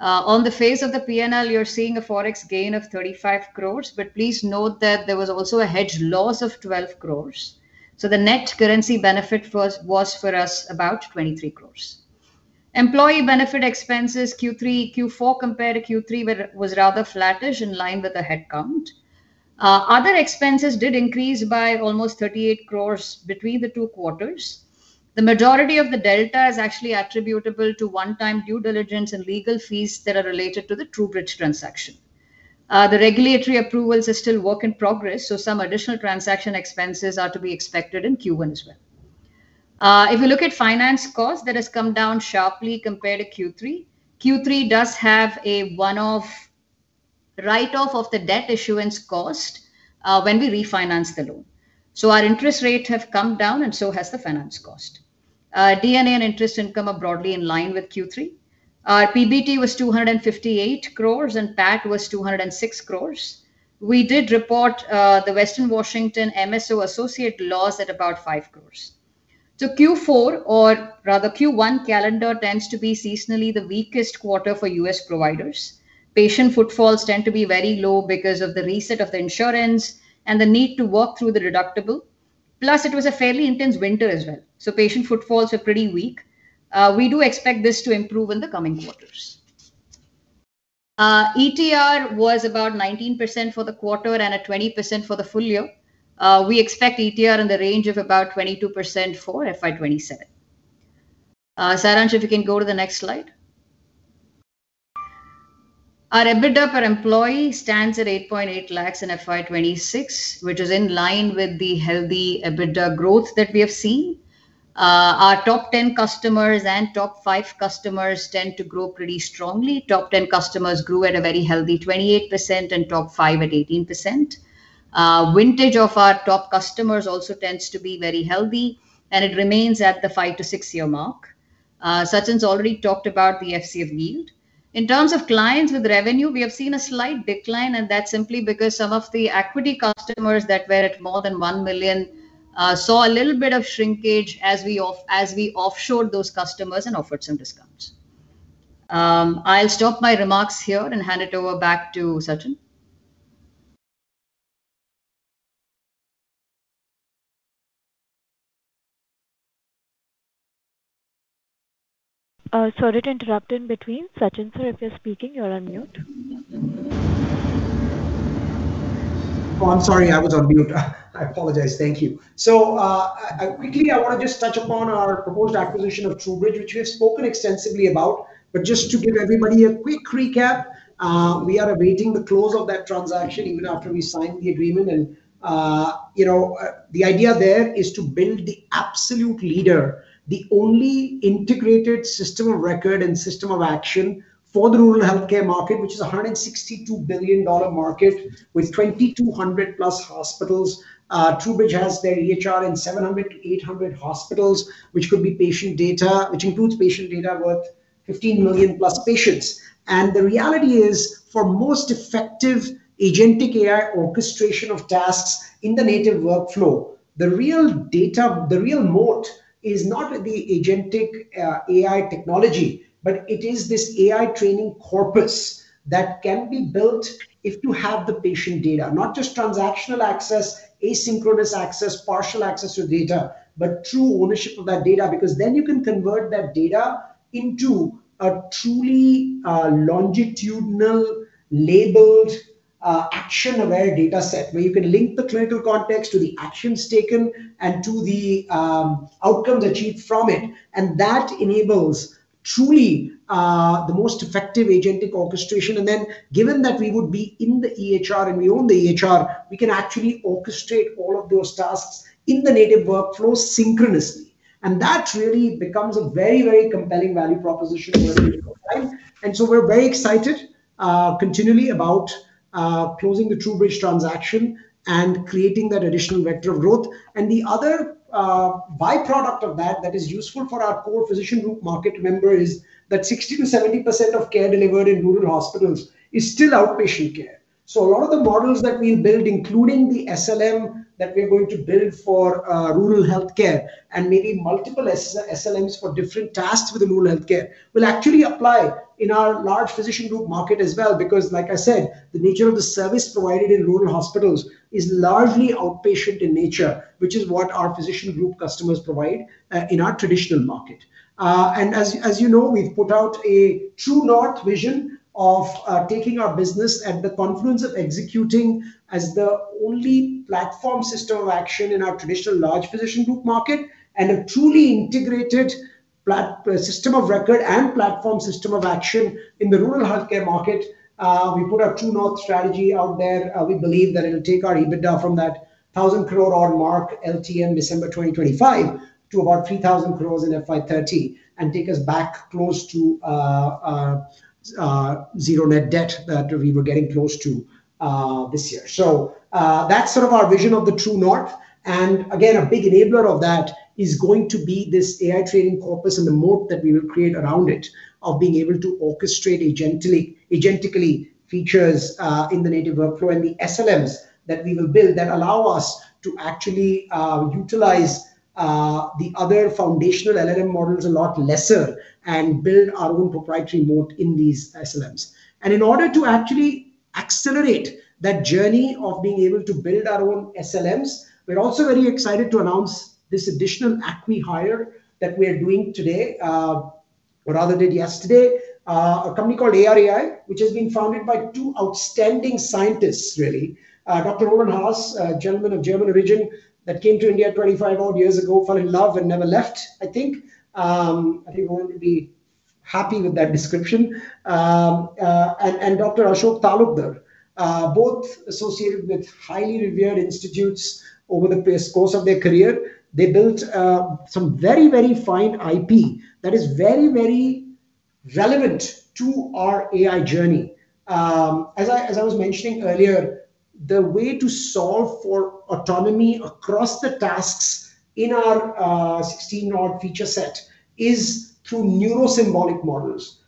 On the face of the P&L, you're seeing a Forex gain of 35 crores, but please note that there was also a hedge loss of 12 crores. The net currency benefit for us was about 23 crores. Employee benefit expenses Q4 compared to Q3 was rather flattish in line with the headcount. Other expenses did increase by almost 38 crores between the two quarters. The majority of the delta is actually attributable to one-time due diligence and legal fees that are related to the TruBridge transaction. The regulatory approvals are still work in progress, some additional transaction expenses are to be expected in Q1 as well. If you look at finance cost, that has come down sharply compared to Q3. Q3 does have a one-off write-off of the debt issuance cost when we refinance the loan. Our interest rate have come down and so has the finance cost. D&A and interest income are broadly in line with Q3. Our PBT was 258 crores and PAT was 206 crores. We did report the Western Washington MSO associate loss at about 5 crores. Q4 or rather Q1 calendar tends to be seasonally the weakest quarter for U.S. providers. Patient footfalls tend to be very low because of the reset of the insurance and the need to work through the deductible. Patient footfalls were pretty weak. We do expect this to improve in the coming quarters. ETR was about 19% for the quarter and at 20% for the full year. We expect ETR in the range of about 22% for FY 2027. Saransh, if you can go to the next slide. Our EBITDA per employee stands at 8.8 lakhs in FY 2026, which is in line with the healthy EBITDA growth that we have seen. Our top 10 customers and top five customers tend to grow pretty strongly. Top 10 customers grew at a very healthy 28% and top five at 18%. Vintage of our top customers also tends to be very healthy, and it remains at the five to six year mark. Sachin's already talked about the FCF yield. In terms of clients with revenue, we have seen a slight decline, and that's simply because some of the AQuity customers that were at more than $1 million saw a little bit of shrinkage as we offshored those customers and offered some discounts. I'll stop my remarks here and hand it over back to Sachin. Sorry to interrupt in between. Sachin, sir, if you're speaking, you're on mute. I'm sorry, I was on mute. I apologize. Thank you. Quickly, I wanna just touch upon our proposed acquisition of TruBridge, which we have spoken extensively about. Just to give everybody a quick recap, we are awaiting the close of that transaction even after we signed the agreement. The idea there is to build the absolute leader, the only integrated system of record and system of action for the rural healthcare market, which is a $162 billion market with 2,200+ hospitals. TruBridge has their EHR in 700 to 800 hospitals, which could be patient data, which includes patient data worth 15 million+ patients. The reality is, for most effective agentic AI orchestration of tasks in the native workflow, the real moat is not the agentic AI technology, but it is this AI training corpus that can be built if you have the patient data. Not just transactional access, asynchronous access, partial access to data, but true ownership of that data. Then you can convert that data into a truly longitudinal labeled action-aware dataset where you can link the clinical context to the actions taken and to the outcomes achieved from it. That enables truly the most effective agentic orchestration. Given that we would be in the EHR and we own the EHR, we can actually orchestrate all of those tasks in the native workflow synchronously. That really becomes a very, very compelling value proposition. We're very excited, continually about closing the TruBridge transaction and creating that additional vector of growth. The other by-product of that is useful for our core physician group market member is that 60%-70% of care delivered in rural hospitals is still outpatient care. A lot of the models that we build, including the SLM that we're going to build for rural healthcare and maybe multiple SLMs for different tasks with the rural healthcare, will actually apply in our large physician group market as well. Because like I said, the nature of the service provided in rural hospitals is largely outpatient in nature, which is what our physician group customers provide in our traditional market. As, as you know, we've put out a true north vision of taking our business at the confluence of executing as the only platform system of action in our traditional large physician group market and a truly integrated system of record and platform system of action in the rural healthcare market. We put our true north strategy out there. We believe that it'll take our EBITDA from that 1,000 crore odd mark LTM December 2025 to about 3,000 crore in FY 2030 and take us back close to zero net debt that we were getting close to this year. That's sort of our vision of the true north. Again, a big enabler of that is going to be this AI training corpus and the moat that we will create around it of being able to orchestrate agentically features in the native workflow and the SLMs that we will build that allow us to actually utilize the other foundational LLM models a lot lesser and build our own proprietary moat in these SLMs. In order to actually accelerate that journey of being able to build our own SLMs, we're also very excited to announce this additional acqui-hire that we are doing today, or rather did yesterday. A company called ARAI, which has been founded by two outstanding scientists really. Dr. Roland Haas, a gentleman of German origin that came to India 25 odd years ago, fell in love, and never left, I think. I think Roland will be happy with that description. Dr. Asoke Talukder, both associated with highly revered institutes over the course of their career. They built some very fine IP that is very relevant to our AI journey. As I was mentioning earlier, the way to solve for autonomy across the tasks in our 16 odd feature set is through neuro-symbolic models.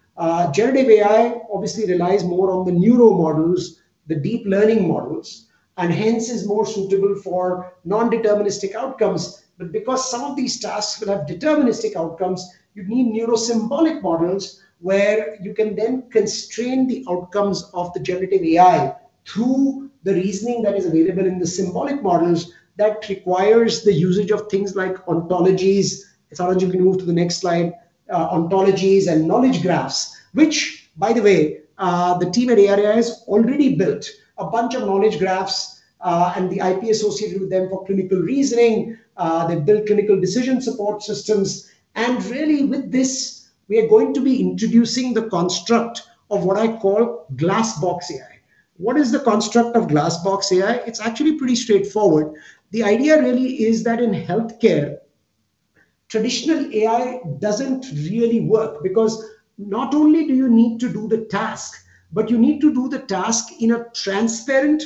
Generative AI obviously relies more on the neural models, the deep learning models, and hence is more suitable for non-deterministic outcomes. Because some of these tasks will have deterministic outcomes, you'd need neuro-symbolic models where you can then constrain the outcomes of the generative AI through the reasoning that is available in the symbolic models that requires the usage of things like ontologies. Saransh, you can move to the next slide. Ontologies and knowledge graphs, which by the way, the team at ARAI has already built a bunch of knowledge graphs, and the IP associated with them for clinical reasoning. They've built clinical decision support systems. Really with this, we are going to be introducing the construct of what I call glassbox AI. What is the construct of glassbox AI? It's actually pretty straightforward. The idea really is that in healthcare, traditional AI doesn't really work because not only do you need to do the task, but you need to do the task in a transparent,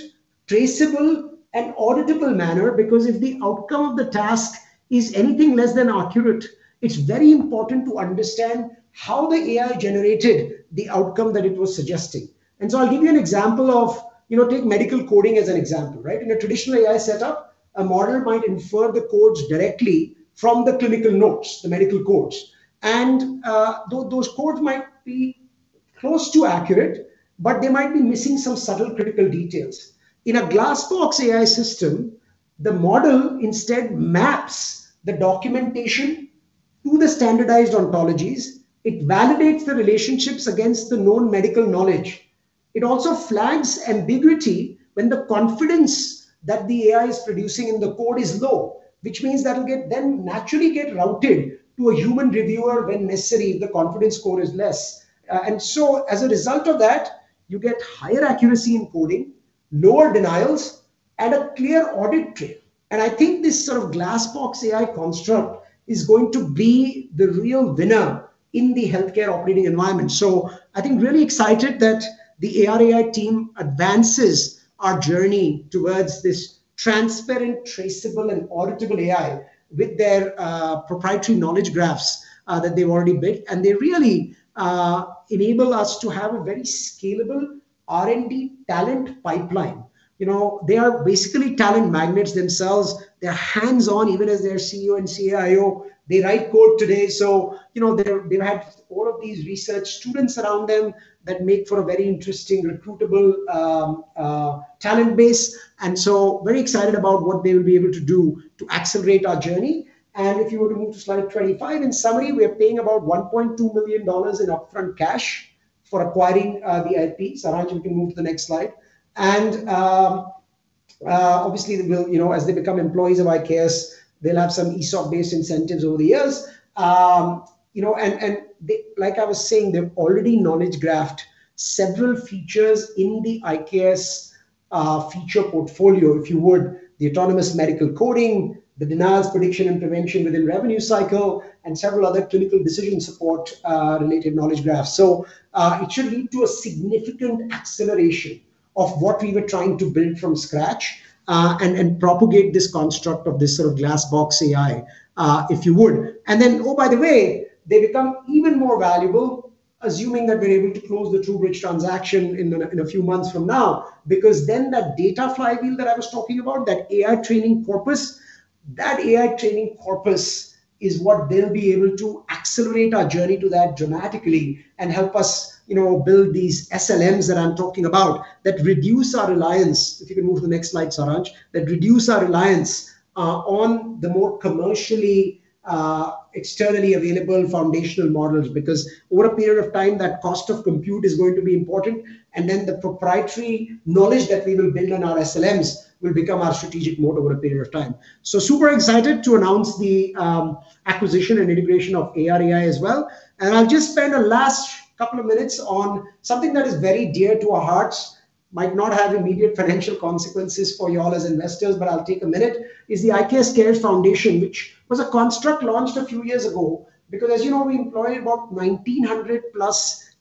traceable, and auditable manner because if the outcome of the task is anything less than accurate, it's very important to understand how the AI generated the outcome that it was suggesting. I'll give you an example of, you know, take medical coding as an example, right? In a traditional AI setup, a model might infer the codes directly from the clinical notes, the medical codes. Those codes might be close to accurate, but they might be missing some subtle critical details. In a glassbox AI system, the model instead maps the documentation to the standardized ontologies. It validates the relationships against the known medical knowledge. It also flags ambiguity when the confidence that the AI is producing in the code is low, which means then naturally get routed to a human reviewer when necessary if the confidence score is less. As a result of that, you get higher accuracy in coding, lower denials, and a clear audit trail. I think this sort of glassbox AI construct is going to be the real winner in the healthcare operating environment. I think really excited that the ARAI team advances our journey towards this transparent, traceable, and auditable AI with their proprietary knowledge graphs that they've already built. They really enable us to have a very scalable R&D talent pipeline. You know, they are basically talent magnets themselves. They're hands-on, even as their CEO and CIO. They write code today. You know, they have all of these research students around them that make for a very interesting recruitable talent base. Very excited about what they will be able to do to accelerate our journey. If you were to move to slide 25. In summary, we are paying about $1.2 billion in upfront cash for acquiring the IP. Saransh, you can move to the next slide. Obviously, you know, as they become employees of IKS, they'll have some ESOP-based incentives over the years. You know, like I was saying, they've already knowledge graphed several features in the IKS feature portfolio, if you would. The autonomous medical coding, the denials prediction and prevention within revenue cycle, and several other clinical decision support related knowledge graphs. It should lead to a significant acceleration of what we were trying to build from scratch and propagate this construct of this sort of glassbox AI, if you would. Oh, by the way, they become even more valuable assuming that we're able to close the TruBridge transaction in a few months from now because then that data flywheel that I was talking about, that AI training corpus is what they'll be able to accelerate our journey to that dramatically and help us, you know, build these SLMs that I'm talking about that reduce our reliance. If you can move to the next slide, Saransh. Reduce our reliance on the more commercially externally available foundational models because over a period of time, that cost of compute is going to be important. The proprietary knowledge that we will build on our SLMs will become our strategic moat over a period of time. Super excited to announce the acquisition and integration of ARAI as well. I'll just spend a last couple of minutes on something that is very dear to our hearts, might not have immediate financial consequences for you all as investors, but I'll take a minute, is the IKS Cares Foundation, which was a construct launched a few years ago because as you know, we employ about 1,900+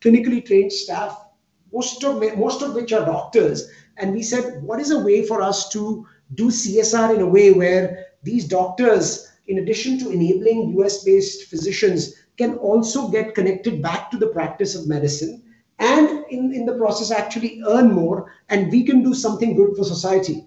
clinically trained staff, most of which are doctors. We said, "What is a way for us to do CSR in a way where these doctors, in addition to enabling U.S.-based physicians, can also get connected back to the practice of medicine and in the process actually earn more and we can do something good for society?"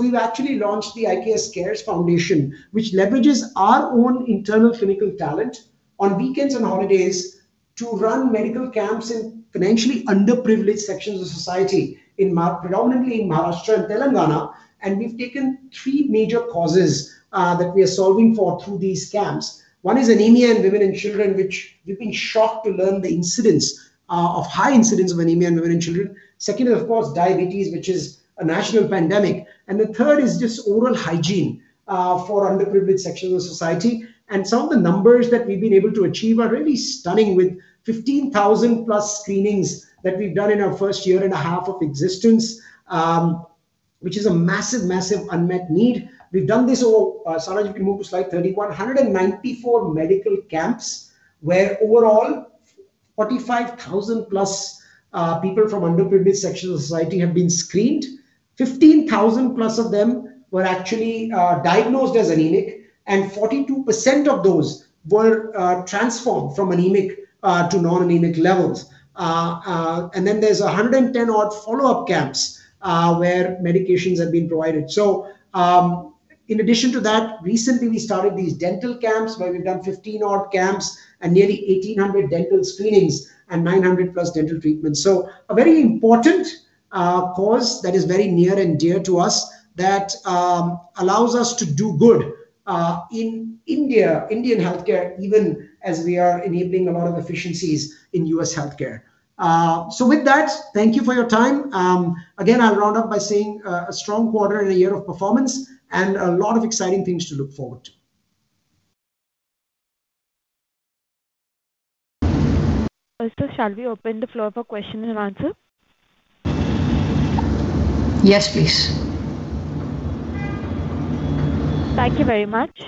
We've actually launched the IKS Cares Foundation, which leverages our own internal clinical talent on weekends and holidays to run medical camps in financially underprivileged sections of society predominantly in Maharashtra and Telangana. We've taken three major causes that we are solving for through these camps. One is anemia in women and children, which we've been shocked to learn the incidence of high incidence of anemia in women and children. Second is, of course, diabetes, which is a national pandemic. The third is just oral hygiene for underprivileged sections of society. Some of the numbers that we've been able to achieve are really stunning with 15,000+ screenings that we've done in our 1st year and a half of existence. Which is a massive unmet need. We've done this over Saransh, if you can move to slide 31. 194 medical camps where overall 45,000+ people from underprivileged sections of society have been screened. 15,000+ of them were actually diagnosed as anemic, and 42% of those were transformed from anemic to non-anemic levels. Then there's a 110 odd follow-up camps where medications have been provided. In addition to that, recently we started these dental camps where we've done 15 odd camps and nearly 1,800 dental screenings and 900+ dental treatments. A very important cause that is very near and dear to us that allows us to do good in India, Indian healthcare, even as we are enabling a lot of efficiencies in U.S. healthcare. With that, thank you for your time. Again, I'll round up by saying a strong quarter and a year of performance and a lot of exciting things to look forward to. First of, shall we open the floor for question and answer? Yes, please. Thank you very much.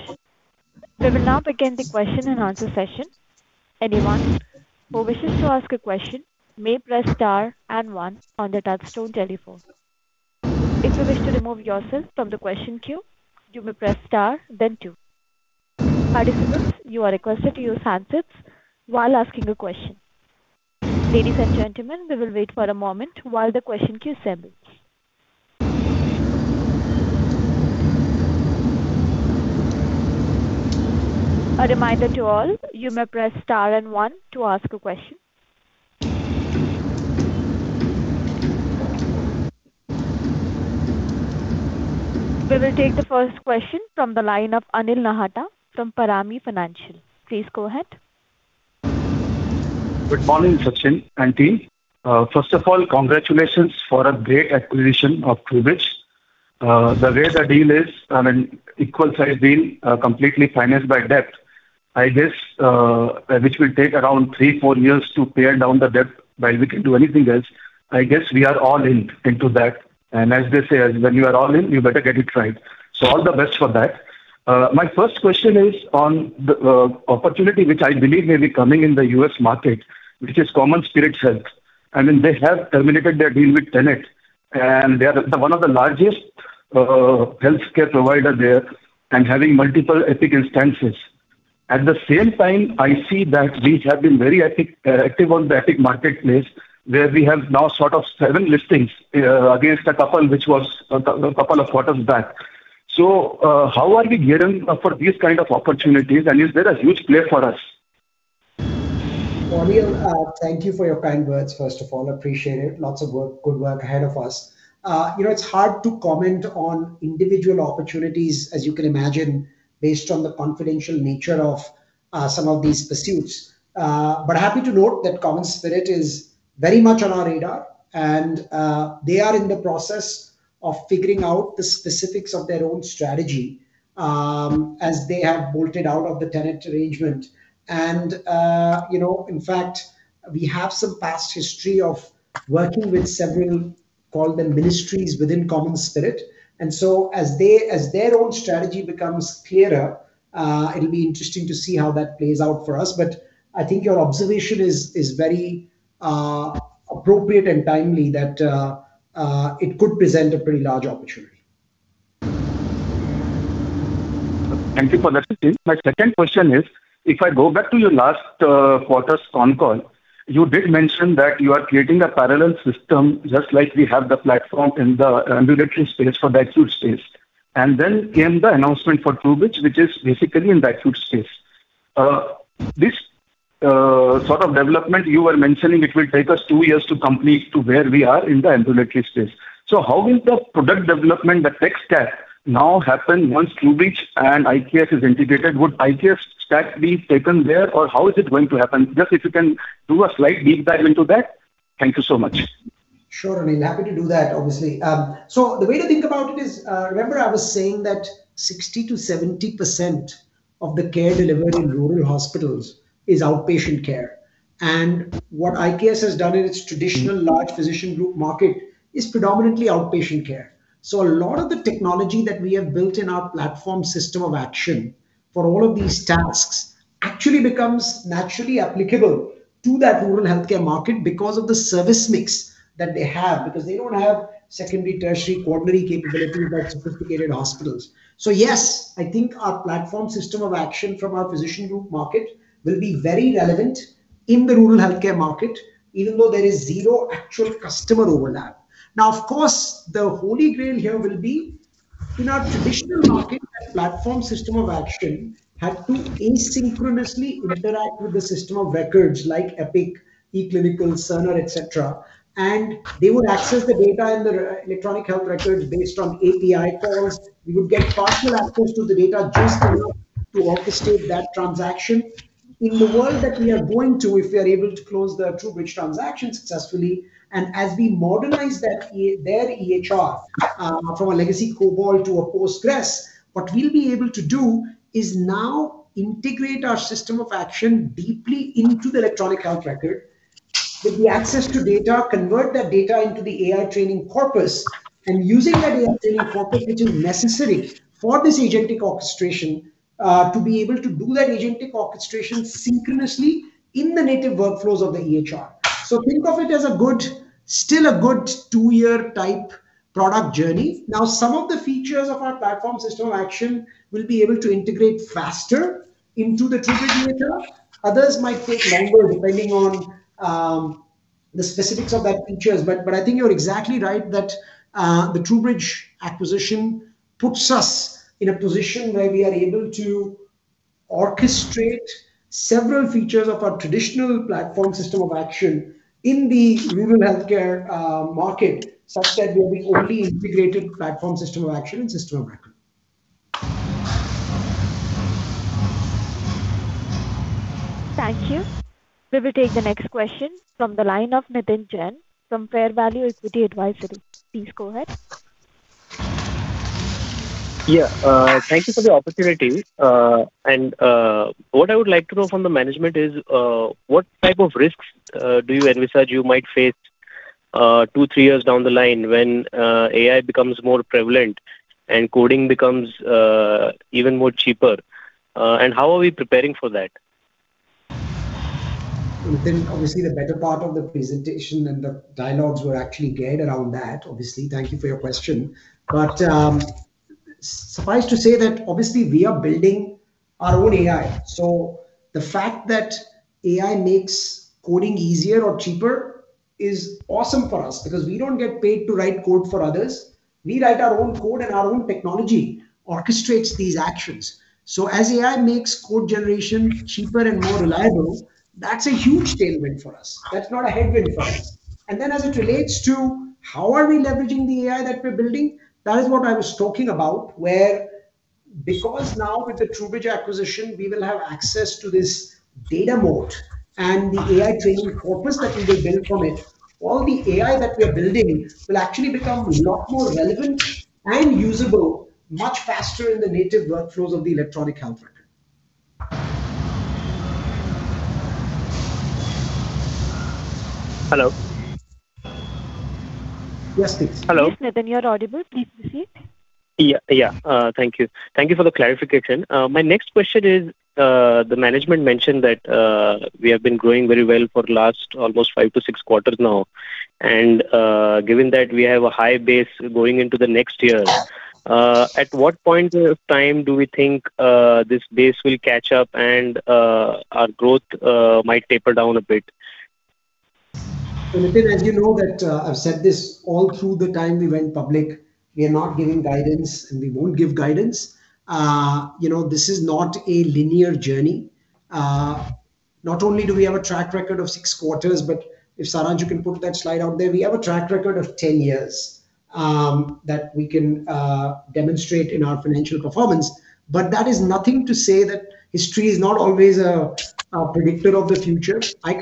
We will now begin the question-and-answer session. Anyone who wishes to ask a question may press star and one on their touchtone telephone. If you wish to remove yourself from the question queue, you may press star, then two. Participants, you are requested to use handsets while asking a question. Ladies and gentlemen, we will wait for a moment while the question queue assembles. A reminder to all, you may press star and one to ask a question. We will take the first question from the line of Anil Nahata from Parami Financial. Please go ahead. Good morning, Sachin and team. First of all, congratulations for a great acquisition of TruBridge. The way the deal is, I mean, equal size deal, completely financed by debt, I guess, which will take around three, four years to pay down the debt while we can do anything else. I guess we are all in into that. As they say, "When you are all in, you better get it right." All the best for that. My first question is on the opportunity which I believe may be coming in the U.S. market, which is CommonSpirit Health. I mean, they have terminated their deal with Tenet, they are the one of the largest healthcare provider there and having multiple Epic instances. At the same time, I see that we have been very Epic active on the Epic marketplace, where we have now sort of seven listings, against two which was a couple of quarters back. How are we gearing up for these kind of opportunities, and is there a huge play for us? Anil, thank you for your kind words, first of all. Appreciate it. Lots of work, good work ahead of us. You know, it's hard to comment on individual opportunities, as you can imagine, based on the confidential nature of some of these pursuits. Happy to note that CommonSpirit is very much on our radar and they are in the process of figuring out the specifics of their own strategy as they have bolted out of the Tenet arrangement. In fact, we have some past history of working with several, call them ministries within CommonSpirit. As their own strategy becomes clearer, it'll be interesting to see how that plays out for us. I think your observation is very appropriate and timely that it could present a pretty large opportunity. Thank you for that, Sachin. My second question is, if I go back to your last quarter's con call, you did mention that you are creating a parallel system just like we have the platform in the ambulatory space for the acute space. Came the announcement for TruBridge, which is basically in the acute space. This sort of development you were mentioning, it will take us two years to complete to where we are in the ambulatory space. How will the product development, the tech stack now happen once TruBridge and IKS is integrated? Would IKS stack be taken there, or how is it going to happen? Just if you can do a slight deep dive into that. Thank you so much. Sure, Anil. Happy to do that, obviously. The way to think about it is, remember I was saying that 60%-70% of the care delivered in rural hospitals is outpatient care. What IKS has done in its traditional large physician group market is predominantly outpatient care. A lot of the technology that we have built in our platform system of action for all of these tasks actually becomes naturally applicable to that rural healthcare market because of the service mix that they have, because they don't have secondary, tertiary, quaternary capabilities like sophisticated hospitals. Yes, I think our platform system of action from our physician group market will be very relevant in the rural healthcare market, even though there is 0 actual customer overlap. Now, of course, the holy grail here will be in our traditional market, that platform system of action had to asynchronously interact with the system of records like Epic, eClinical, Cerner, etc. They would access the data in the electronic health records based on API calls. We would get partial access to the data just enough to orchestrate that transaction. In the world that we are going to, if we are able to close the TruBridge transaction successfully, and as we modernize their EHR from a legacy COBOL to a Postgres, what we'll be able to do is now integrate our system of action deeply into the electronic health record. With the access to data, convert that data into the AI training corpus, and using that AI training corpus which is necessary for this agentic orchestration, to be able to do that agentic orchestration synchronously in the native workflows of the EHR. Think of it as still a good two year type product journey. Now, some of the features of our platform system of action will be able to integrate faster into the TruBridge data. Others might take longer depending on the specifics of that features. I think you're exactly right that the TruBridge acquisition puts us in a position where we are able to orchestrate several features of our traditional platform system of action in the human healthcare market, such that we'll be only integrated platform system of action and system of record. Thank you. We will take the next question from the line of Nitin Jain from Fairvalue Equity Advisory. Please go ahead. Yeah. Thank you for the opportunity. What I would like to know from the management is what type of risks do you envisage you might face two, three years down the line when AI becomes more prevalent and coding becomes even more cheaper? How are we preparing for that? Nitin, obviously the better part of the presentation and the dialogues were actually geared around that, obviously. Thank you for your question. Suffice to say that obviously we are building our own AI. The fact that AI makes coding easier or cheaper is awesome for us because we don't get paid to write code for others. We write our own code, and our own technology orchestrates these actions. As AI makes code generation cheaper and more reliable, that's a huge tailwind for us. That's not a headwind for us. As it relates to how are we leveraging the AI that we're building, that is what I was talking about, where because now with the TruBridge acquisition, we will have access to this data moat and the AI training corpus that will get built from it. All the AI that we are building will actually become a lot more relevant and usable much faster in the native workflows of the electronic health record. Hello? Yes, please. Hello. Yes, Nitin, you're audible. Please proceed. Yeah. Yeah. Thank you. Thank you for the clarification. My next question is, the management mentioned that, we have been growing very well for last almost five to six quarters now. Given that we have a high base going into the next year- Yeah. ...at what point of time do we think this base will catch up and our growth might taper down a bit? Nitin Jain, as you know that, I've said this all through the time we went public, we are not giving guidance, and we won't give guidance. You know, this is not a linear journey. Not only do we have a track record of six quarters, but if, Saransh, you can put that slide out there. We have a track record of 10 years that we can demonstrate in our financial performance. That is nothing to say that history is not always a predictor of the future.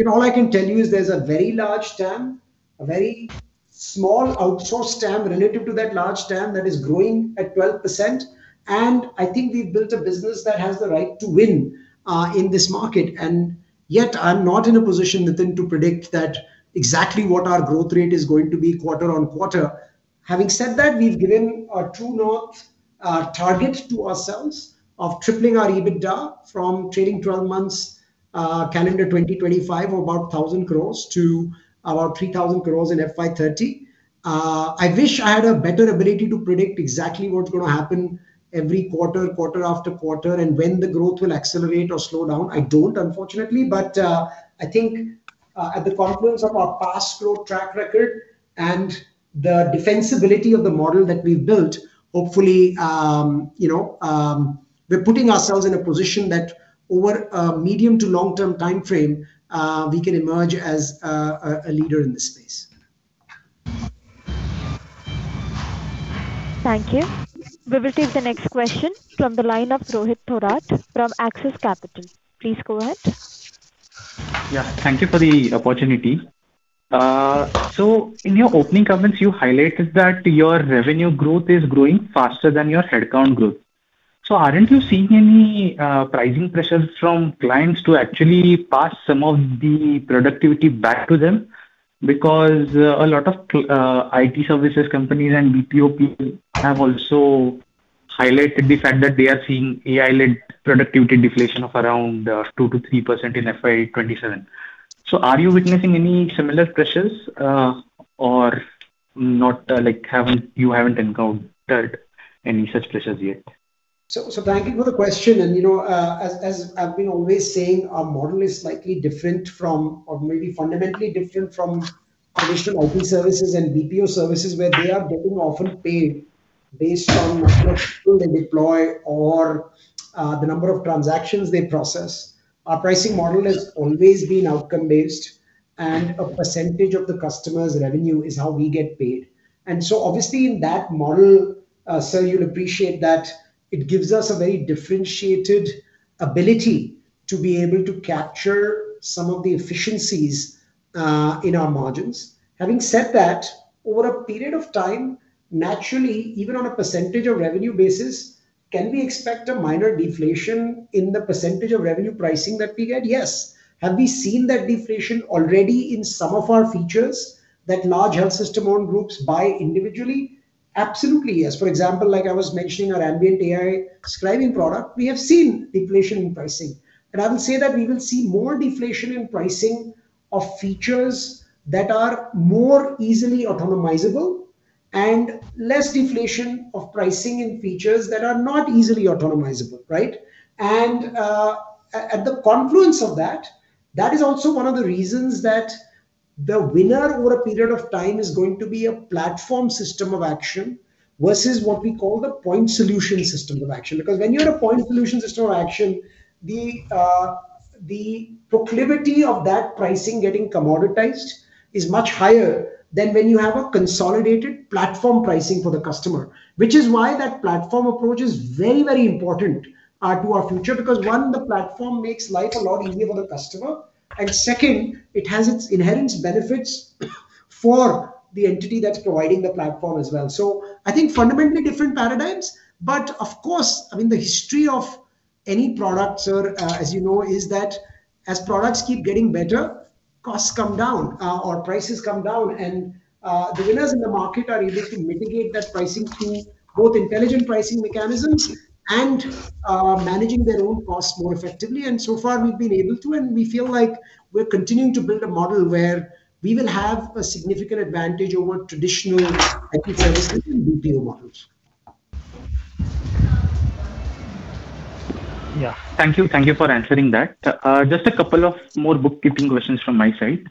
All I can tell you is there's a very large TAM, a very small outsourced TAM relative to that large TAM that is growing at 12%. I think we've built a business that has the right to win in this market. Yet I'm not in a position, Nitin, to predict that exactly what our growth rate is going to be quarter-on-quarter. Having said that, we've given a true north target to ourselves of tripling our EBITDA from trailing 12 months, calendar 2025, of about 1,000 crores to about 3,000 crores in FY 2030. I wish I had a better ability to predict exactly what's going to happen every quarter-after-quarter, and when the growth will accelerate or slow down. I don't, unfortunately. I think, at the confluence of our past growth track record and the defensibility of the model that we've built, hopefully, you know, we're putting ourselves in a position that over a medium to long-term timeframe, we can emerge as a leader in this space. Thank you. We will take the next question from the line of Rohit Thorat from Axis Capital. Please go ahead. Thank you for the opportunity. In your opening comments, you highlighted that your revenue growth is growing faster than your headcount growth. Aren't you seeing any pricing pressures from clients to actually pass some of the productivity back to them? Because a lot of IT services companies and BPO people have also highlighted the fact that they are seeing AI-led productivity deflation of around 2%-3% in FY 2027. Are you witnessing any similar pressures or not, you haven't encountered any such pressures yet? Thank you for the question. You know, as I've been always saying, our model is slightly different from or maybe fundamentally different from traditional IT services and BPO services, where they are getting often paid based on the number of people they deploy or the number of transactions they process. Our pricing model has always been outcome-based, and a percentage of the customer's revenue is how we get paid. Obviously in that model, sir, you'll appreciate that it gives us a very differentiated ability to be able to capture some of the efficiencies in our margins. Having said that, over a period of time, naturally, even on a percentage of revenue basis. Can we expect a minor deflation in the percentage of revenue pricing that we get? Yes. Have we seen that deflation already in some of our features that large health system-owned groups buy individually? Absolutely, yes. For example, like I was mentioning, our Ambient AI scribing product, we have seen deflation in pricing. I will say that we will see more deflation in pricing of features that are more easily autonomizable and less deflation of pricing in features that are not easily autonomizable, right? At the confluence of that is also one of the reasons that the winner over a period of time is going to be a platform system of action versus what we call the point solution system of action. When you're a point solution system of action, the proclivity of that pricing getting commoditized is much higher than when you have a consolidated platform pricing for the customer. That is why that platform approach is very, very important to our future. Because, one, the platform makes life a lot easier for the customer, and second, it has its inherent benefits for the entity that's providing the platform as well. I think fundamentally different paradigms. Of course, I mean, the history of any product, sir, as you know, is that as products keep getting better, costs come down, or prices come down. The winners in the market are able to mitigate that pricing through both intelligent pricing mechanisms and managing their own costs more effectively. So far, we've been able to, and we feel like we're continuing to build a model where we will have a significant advantage over traditional IT service and BPO models. Yeah. Thank you. Thank you for answering that. Just two more bookkeeping questions from my side.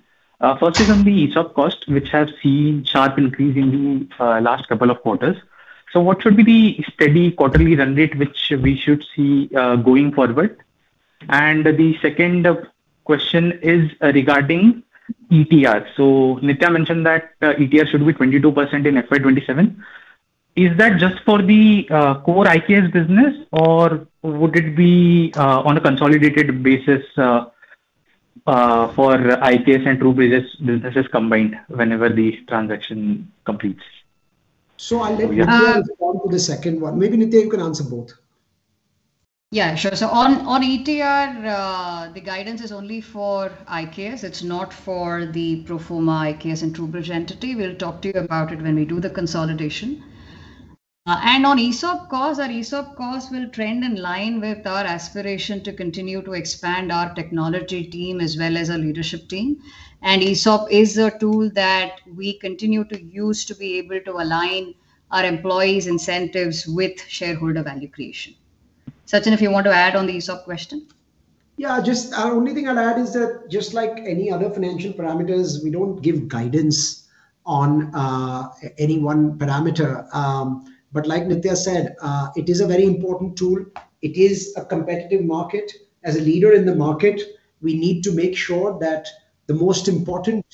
First is on the ESOP cost, which has seen sharp increase in the last two quarters. What should be the steady quarterly run rate which we should see going forward? The second question is regarding ETR. Nithya mentioned that ETR should be 22% in FY 2027. Is that just for the core IKS business, or would it be on a consolidated basis for IKS and TruBridge's businesses combined whenever the transaction completes? So I'll let- Uh- Nithya respond to the second one. Maybe, Nithya, you can answer both. Yeah, sure. On ETR, the guidance is only for IKS. It's not for the pro forma IKS and TruBridge entity. We'll talk to you about it when we do the consolidation. On ESOP cost, our ESOP cost will trend in line with our aspiration to continue to expand our technology team as well as our leadership team. ESOP is a tool that we continue to use to be able to align our employees' incentives with shareholder value creation. Sachin, if you want to add on the ESOP question. Yeah, just only thing I'd add is that just like any other financial parameters, we don't give guidance on any one parameter. Like Nithya said, it is a very important tool. It is a competitive market. As a leader in the market, we need to make sure that the most important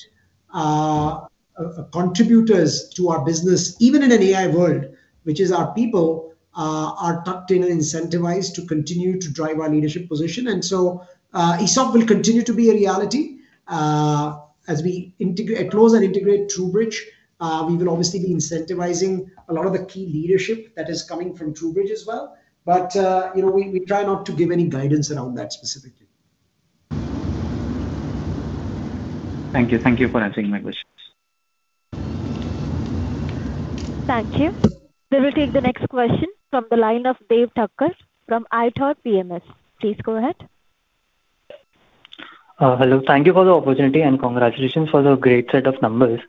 contributors to our business, even in an AI world, which is our people, are tucked in and incentivized to continue to drive our leadership position. ESOP will continue to be a reality. As we close and integrate TruBridge, we will obviously be incentivizing a lot of the key leadership that is coming from TruBridge as well. You know, we try not to give any guidance around that specifically. Thank you. Thank you for answering my questions. Thank you. We will take the next question from the line of Dev Thacker from ithoughtPMS. Please go ahead. Hello. Thank you for the opportunity, and congratulations for the great set of numbers.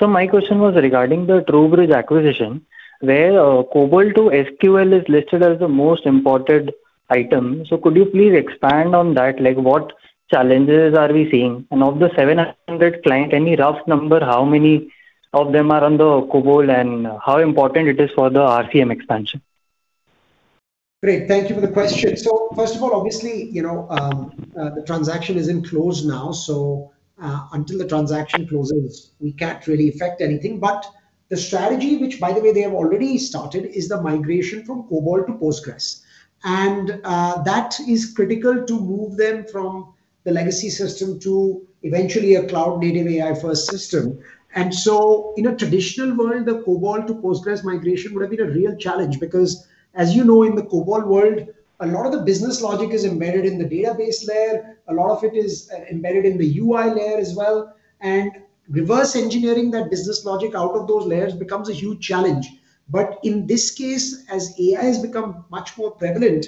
My question was regarding the TruBridge acquisition, where COBOL to SQL is listed as the most important item. Could you please expand on that? What challenges are we seeing? Of the 700 client, any rough number how many of them are on the COBOL, and how important it is for the RCM expansion? Great. Thank you for the question. First of all, obviously, you know, the transaction isn't closed now, so until the transaction closes, we can't really affect anything. The strategy, which by the way they have already started, is the migration from COBOL to Postgres. That is critical to move them from the legacy system to eventually a cloud-native AI-first system. In a traditional world, the COBOL to Postgres migration would have been a real challenge because, as you know, in the COBOL world, a lot of the business logic is embedded in the database layer, a lot of it is embedded in the UI layer as well, and reverse engineering that business logic out of those layers becomes a huge challenge. In this case, as AI has become much more prevalent,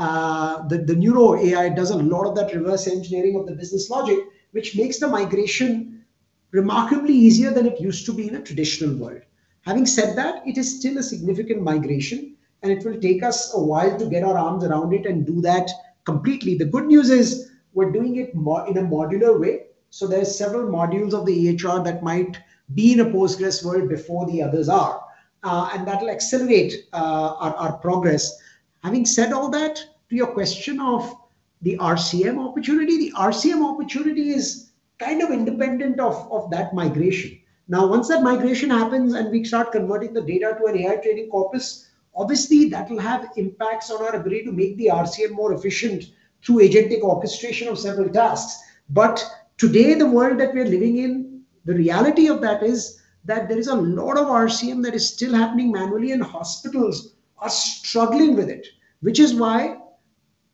AI does a lot of that reverse engineering of the business logic, which makes the migration remarkably easier than it used to be in a traditional world. Having said that, it is still a significant migration, and it will take us a while to get our arms around it and do that completely. The good news is we're doing it in a modular way, so there are several modules of the EHR that might be in a Postgres world before the others are. That'll accelerate our progress. Having said all that, to your question of the RCM opportunity. The RCM opportunity is kind of independent of that migration. Once that migration happens and we start converting the data to an AI training corpus, obviously that will have impacts on our ability to make the RCM more efficient through agentic orchestration of several tasks. Today, the world that we're living in. The reality of that is that there is a lot of RCM that is still happening manually, and hospitals are struggling with it.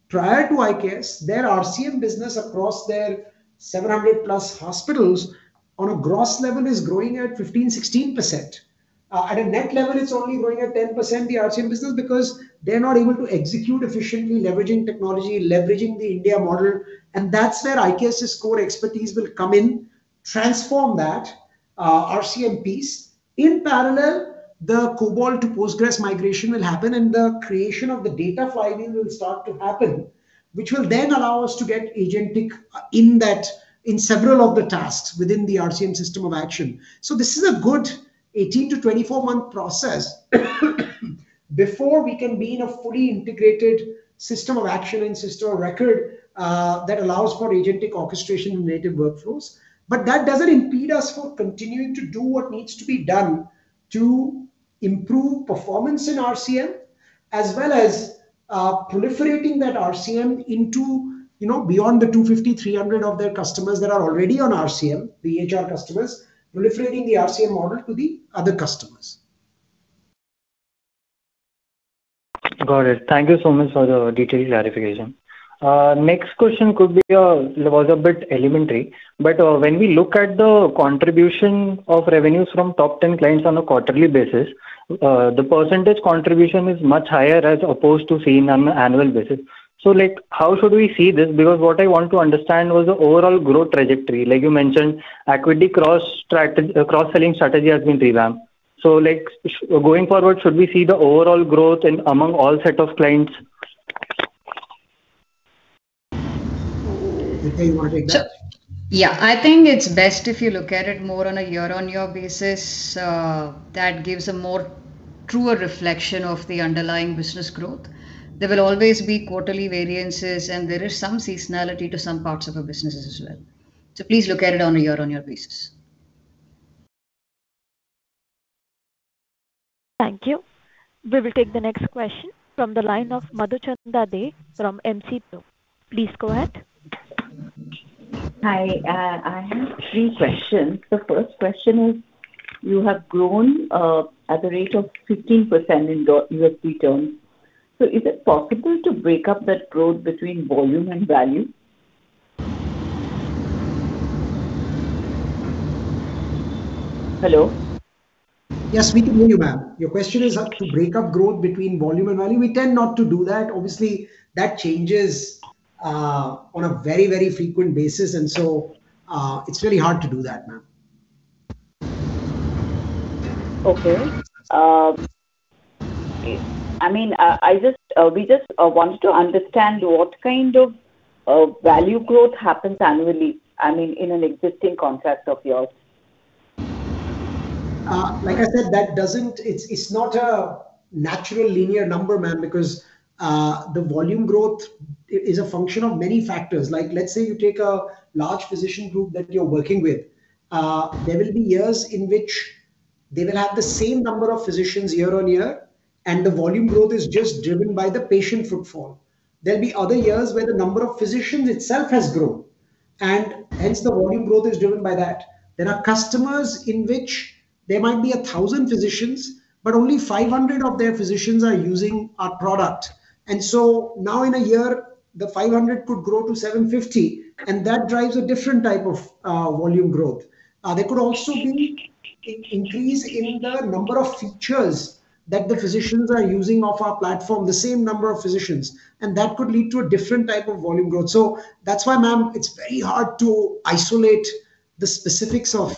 Prior to IKS, their RCM business across their 700+ hospitals on a gross level is growing at 15%-16%. At a net level, it's only growing at 10%, the RCM business, because they're not able to execute efficiently leveraging technology, leveraging the India model. That's where IKS's core expertise will come in, transform that RCM piece. In parallel, the COBOL to Postgres migration will happen, and the creation of the data flywheel will start to happen. This will then allow us to get agentic in several of the tasks within the RCM system of action. This is a good 18-24 month process before we can be in a fully integrated system of action and system of record that allows for agentic orchestration and native workflows. That doesn't impede us from continuing to do what needs to be done to improve performance in RCM, as well as, proliferating that RCM into, you know, beyond the 250, 300 of their customers that are already on RCM, EHR customers, proliferating the RCM model to the other customers. Got it. Thank you so much for the detailed clarification. Next question could be, was a bit elementary. When we look at the contribution of revenues from top 10 clients on a quarterly basis, the percentage contribution is much higher as opposed to seen on a annual basis. Like, how should we see this? Because what I want to understand was the overall growth trajectory. Like you mentioned, AQuity cross-selling strategy has been revamped. Like, going forward, should we see the overall growth in among all set of clients? Nithya, you wanna take that? I think it's best if you look at it more on a year-on-year basis. That gives a more truer reflection of the underlying business growth. There will always be quarterly variances, and there is some seasonality to some parts of our businesses as well. Please look at it on a year-on-year basis. Thank you. We will take the next question from the line of Madhuchanda Dey from MC Pro. Please go ahead. Hi. I have three questions. The first question is, you have grown at the rate of 15% in USD terms. Is it possible to break up that growth between volume and value? Hello? Yes, we can hear you, ma'am. Your question is how to break up growth between volume and value. We tend not to do that. Obviously, that changes on a very, very frequent basis. It's very hard to do that, ma'am. Okay. I mean, we just wanted to understand what kind of value growth happens annually, I mean, in an existing contract of yours. Like I said, it's not a natural linear number, ma'am, because the volume growth is a function of many factors. Like let's say you take a large physician group that you're working with. There will be years in which they will have the same number of physicians year-on-year, and the volume growth is just driven by the patient footfall. There'll be other years where the number of physicians itself has grown, and hence the volume growth is driven by that. There are customers in which there might be 1,000 physicians, but only 500 of their physicians are using our product. Now in a year, the 500 could grow to 750, and that drives a different type of volume growth. There could also be increase in the number of features that the physicians are using of our platform, the same number of physicians, and that could lead to a different type of volume growth. That's why, ma'am, it's very hard to isolate the specifics of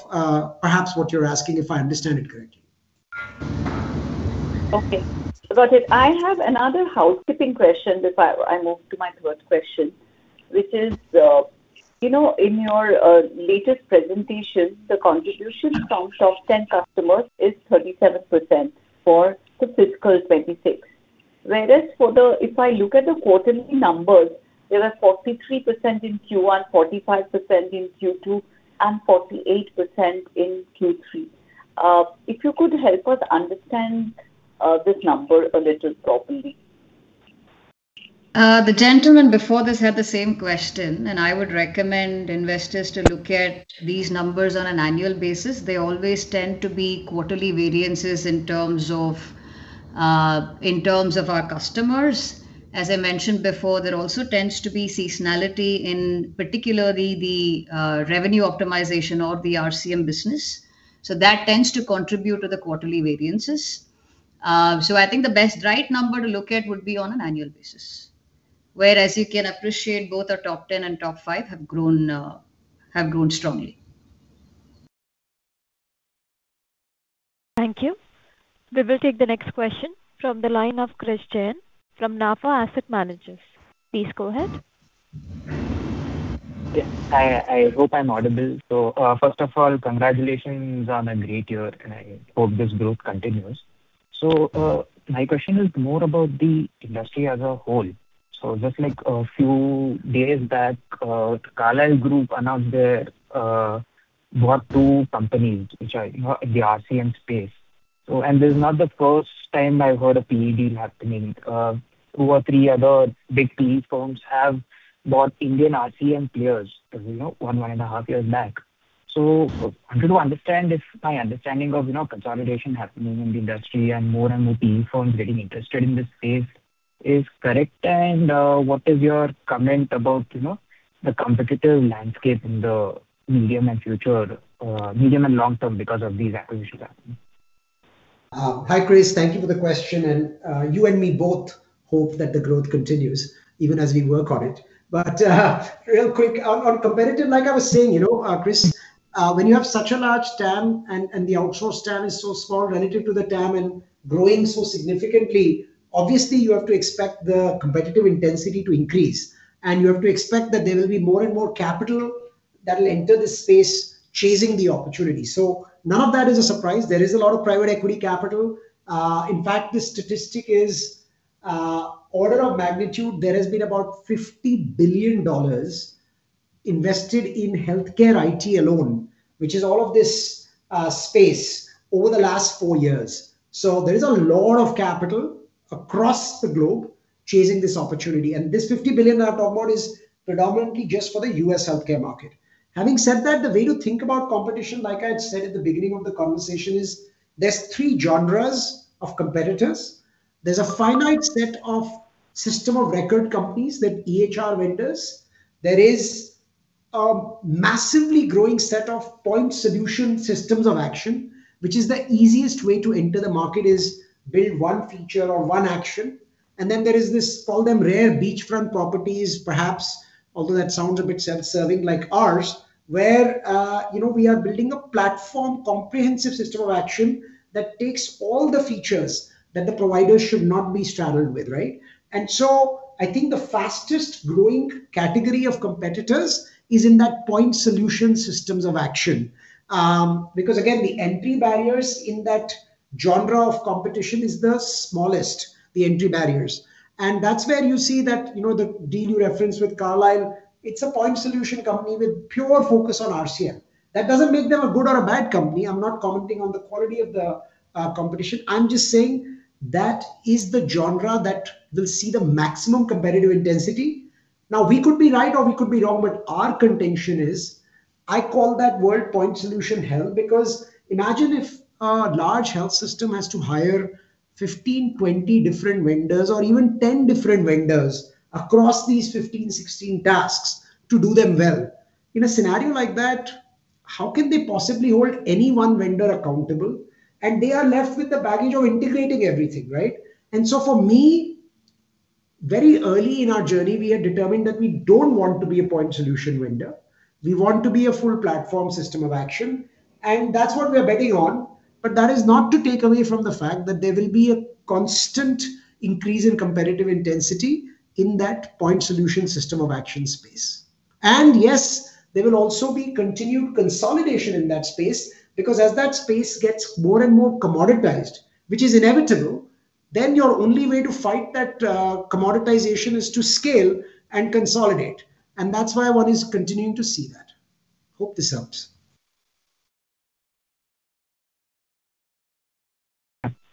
perhaps what you're asking, if I understand it correctly. Okay. Got it. I have another housekeeping question before I move to my third question, which is, you know, in your latest presentation, the contribution from top 10 customers is 37% for the fiscal 2026. Whereas if I look at the quarterly numbers, there are 43% in Q1, 45% in Q2, and 48% in Q3. If you could help us understand this number a little properly. The gentleman before this had the same question. I would recommend investors to look at these numbers on an annual basis. There always tend to be quarterly variances in terms of in terms of our customers. As I mentioned before, there also tends to be seasonality in particularly the revenue optimization or the RCM business. That tends to contribute to the quarterly variances. I think the best right number to look at would be on an annual basis. Whereas you can appreciate both our top 10 and top five have grown, have grown strongly. Thank you. We will take the next question from the line of Krish Jain from NAFA Asset Managers. Please go ahead. Yeah. I hope I'm audible. First of all, congratulations on a great year, and I hope this growth continues. My question is more about the industry as a whole. Just like a few days back, the Carlyle Group announced their, what, two companies which are, you know, in the RCM space. This is not the first time I've heard a PE deal happening. Two or three other big PE firms have bought Indian RCM players, you know, one and a half years back. I want to understand if my understanding of, you know, consolidation happening in the industry and more and more PE firms getting interested in this space is correct. What is your comment about, you know, the competitive landscape in the medium and future, medium and long term because of these acquisitions happening? Hi, Krish. Thank you for the question, and you and me both hope that the growth continues even as we work on it. Real quick, on competitive, like I was saying, you know, Krish, when you have such a large TAM and the outsource TAM is so small relative to the TAM and growing so significantly, obviously you have to expect the competitive intensity to increase, and you have to expect that there will be more and more capital that will enter this space chasing the opportunity. None of that is a surprise. There is a lot of private equity capital. In fact, the statistic is, order of magnitude. There has been about $50 billion invested in healthcare IT alone, which is all of this space over the last four years. There is a lot of capital across the globe chasing this opportunity. This $50 billion I'm talking about is predominantly just for the U.S. healthcare market. Having said that, the way to think about competition, like I had said at the beginning of the conversation, is there's three genres of competitors. There's a finite set of system of record companies, the EHR vendors. There is a massively growing set of point solution systems of action, which is the easiest way to enter the market is build one feature or one action. There is this, call them rare beachfront properties, perhaps, although that sounds a bit self-serving like ours, where, you know, we are building a platform comprehensive system of action that takes all the features that the provider should not be straddled with, right? I think the fastest growing category of competitors is in that point solution systems of action. Because again, the entry barriers in that genre of competition is the smallest. That's where you see that, you know, the deal you referenced with Carlyle, it's a point solution company with pure focus on RCM. That doesn't make them a good or a bad company. I'm not commenting on the quality of the competition. I'm just saying that is the genre that will see the maximum competitive intensity. Now, we could be right or we could be wrong, but our contention is, I call that word point solution hell, because imagine if a large health system has to hire 15, 20 different vendors or even 10 different vendors across these 15, 16 tasks to do them well. In a scenario like that, how can they possibly hold any one vendor accountable? They are left with the baggage of integrating everything, right? For me, very early in our journey, we had determined that we don't want to be a point solution vendor. We want to be a full platform system of action, and that's what we are betting on. That is not to take away from the fact that there will be a constant increase in competitive intensity in that point solution system of action space. Yes, there will also be continued consolidation in that space because as that space gets more and more commoditized, which is inevitable, then your only way to fight that commoditization is to scale and consolidate. That's why one is continuing to see that. Hope this helps.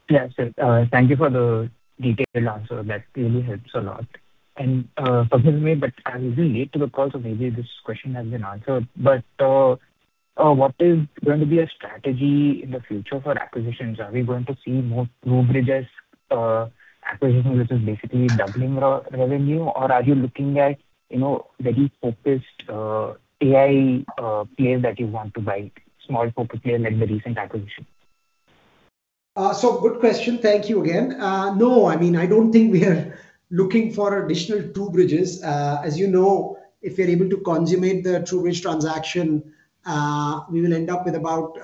Thank you for the detailed answer. That really helps a lot. Forgive me, but I was a little late to the call, so maybe this question has been answered. What is going to be a strategy in the future for acquisitions? Are we going to see more TruBridge's acquisition, which is basically doubling revenue, or are you looking at, you know, very focused AI players that you want to buy, small focused players like the recent acquisition? Good question. Thank you again. I mean, I don't think we are looking for additional TruBridge. As you know, if we are able to consummate the TruBridge transaction, we will end up with about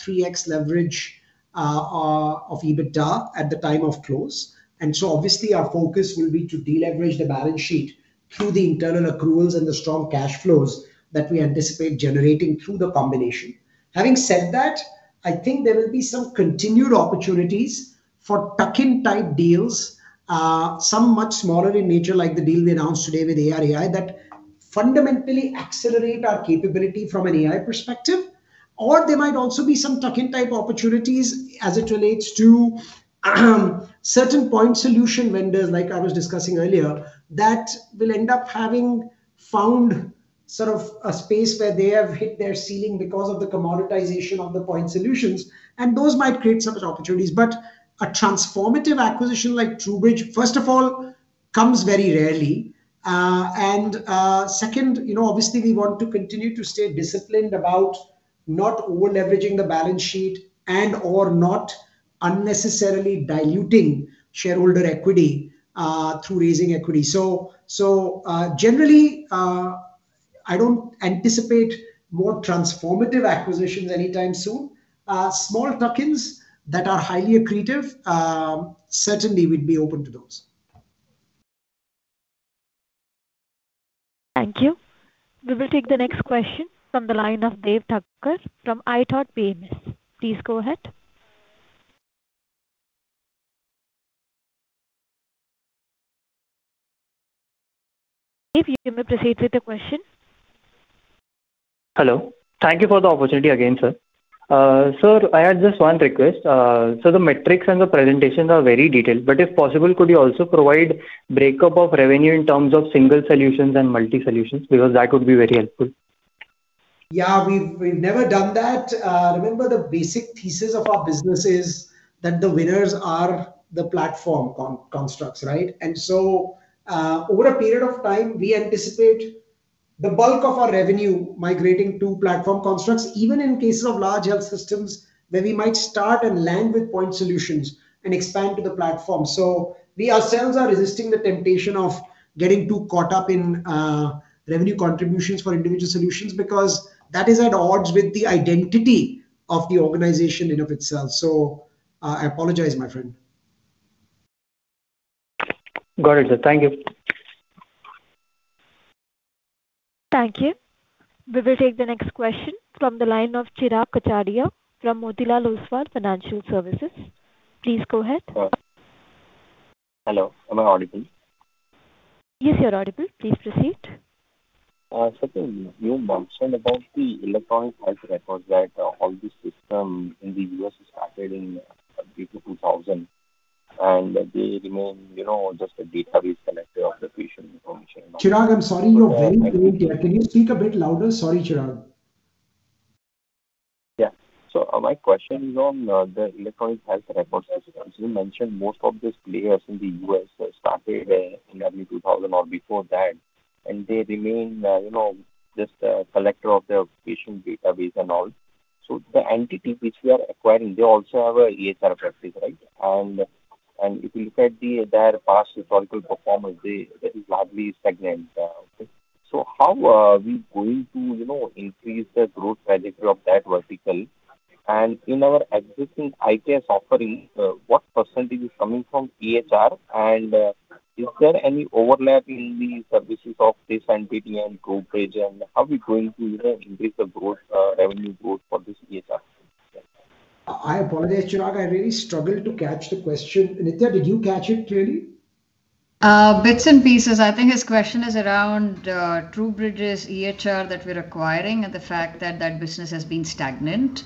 3x leverage of EBITDA at the time of close. Obviously our focus will be to deleverage the balance sheet through the internal accruals and the strong cash flows that we anticipate generating through the combination. Having said that, I think there will be some continued opportunities for tuck-in type deals, some much smaller in nature like the deal we announced today with ARAI, that fundamentally accelerate our capability from an AI perspective. There might also be some tuck-in type opportunities as it relates to certain point solution vendors, like I was discussing earlier, that will end up having found sort of a space where they have hit their ceiling because of the commoditization of the point solutions, and those might create certain opportunities. A transformative acquisition like TruBridge, first of all, comes very rarely. And, second, you know, obviously we want to continue to stay disciplined about not over-leveraging the balance sheet and/or not unnecessarily diluting shareholder AQuity through raising AQuity. Generally, I don't anticipate more transformative acquisitions anytime soon. Small tuck-ins that are highly accretive, certainly we'd be open to those. Thank you. We will take the next question from the line of Dev Thecker from ITOT PMS. Please go ahead. You may proceed with the question. Hello. Thank you for the opportunity again, sir. Sir, I had just one request. The metrics and the presentations are very detailed, but if possible, could you also provide breakup of revenue in terms of single solutions and multi solutions, because that would be very helpful. Yeah, we've never done that. Remember the basic thesis of our business is that the winners are the platform constructs, right? Over a period of time, we anticipate the bulk of our revenue migrating to platform constructs, even in cases of large health systems where we might start and land with point solutions and expand to the platform. We ourselves are resisting the temptation of getting too caught up in revenue contributions for individual solutions because that is at odds with the identity of the organization in and of itself. I apologize, my friend. Got it, sir. Thank you. Thank you. We will take the next question from the line of Chirag Kacharia from Motilal Oswal Financial Services. Please go ahead. Hello, am I audible? Yes, you're audible. Please proceed. You mentioned about the electronic health records that, all the system in the U.S. started in the year 2000, and that they remain, you know, just a database collector of the patient information. Chirag, I'm sorry. You're very faint here. Can you speak a bit louder? Sorry, Chirag. Yeah. My question is on the electronic health records. As you mentioned, most of these players in the U.S. started in the year 2000 or before that, and they remain, you know, just a collector of the patient database and all. The entity which we are acquiring, they also have an EHR presence, right? If you look at their past historical performance, that is largely stagnant, okay? How are we going to, you know, increase the growth trajectory of that vertical? In our existing IKS offering, what % is coming from EHR? Is there any overlap in the services of this entity and TruBridge? How are we going to, you know, increase the growth, revenue growth for this EHR? I apologize, Chirag. I really struggled to catch the question. Nithya, did you catch it clearly? bits and pieces. I think his question is around TruBridge's EHR that we're acquiring and the fact that that business has been stagnant.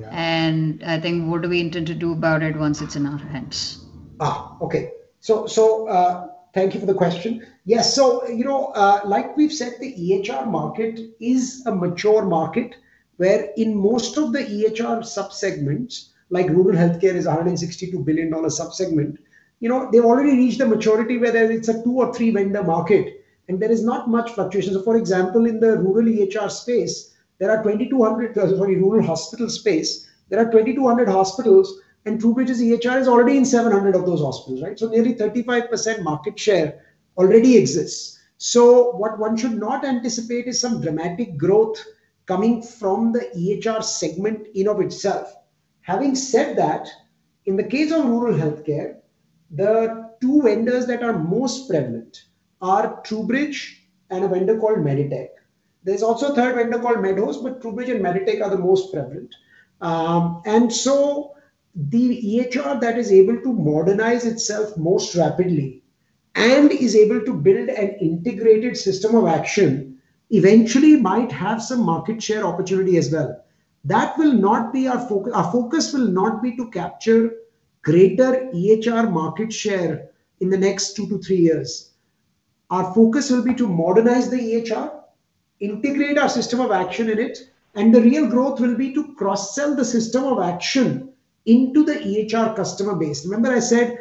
Yeah. I think what do we intend to do about it once it's in our hands. Okay. Thank you for the question. Yes. You know, like we've said, the EHR market is a mature market where in most of the EHR sub-segments, like rural healthcare is a $162 billion sub-segment. You know, they've already reached a maturity where there it's a two or three vendor market, and there is not much fluctuation. For example, in the rural EHR space, rural hospital space, there are 2,200 hospitals, and TruBridge's EHR is already in 700 of those hospitals, right? Nearly 35% market share already exists. What one should not anticipate is some dramatic growth coming from the EHR segment in and of itself. Having said that, in the case of rural healthcare, the two vendors that are most prevalent are TruBridge and a vendor called MEDITECH. There's also a third vendor called MEDHOST, but TruBridge and MEDITECH are the most prevalent. The EHR that is able to modernize itself most rapidly and is able to build an integrated system of action eventually might have some market share opportunity as well. That will not be our focus. Our focus will not be to capture greater EHR market share in the next two to three years. Our focus will be to modernize the EHR, integrate our system of action in it, and the real growth will be to cross-sell the system of action into the EHR customer base. Remember I said,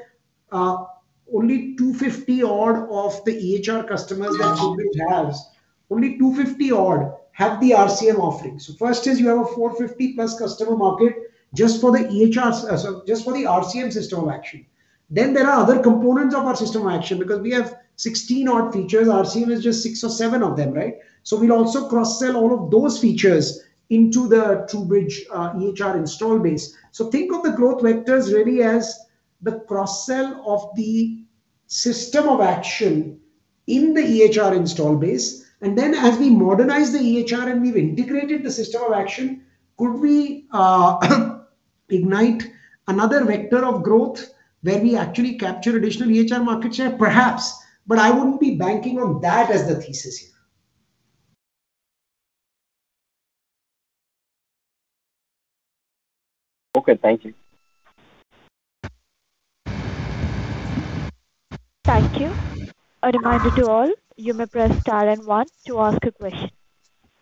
only 250 odd of the EHR customers that TruBridge has. Yeah. Only 250 odd have the RCM offering. First is you have a 450+ customer market just for the RCM system of action. There are other components of our system of action because we have 16 odd features. RCM is just six or seven of them, right? We'll also cross-sell all of those features into the TruBridge EHR install base. Think of the growth vectors really as the cross-sell of the system of action in the EHR install base. As we modernize the EHR and we've integrated the system of action, could we ignite another vector of growth where we actually capture additional EHR market share? Perhaps. I wouldn't be banking on that as the thesis here. Okay. Thank you. Thank you. A reminder to all, you may press star and one to ask a question.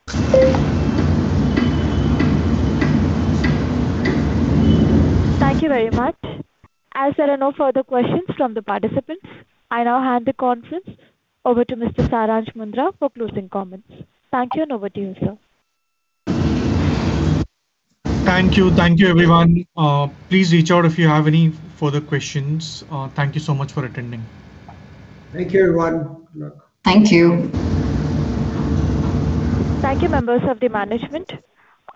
Thank you very much. As there are no further questions from the participants, I now hand the conference over to Mr. Saransh Mundra for closing comments. Thank you, and over to you, sir. Thank you. Thank you, everyone. Please reach out if you have any further questions. Thank you so much for attending. Thank you, everyone. Good luck. Thank you. Thank you, members of the management.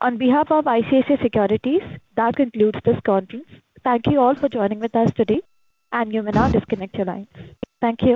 On behalf of ICICI Securities, that concludes this conference. Thank you all for joining with us today, and you may now disconnect your lines. Thank you.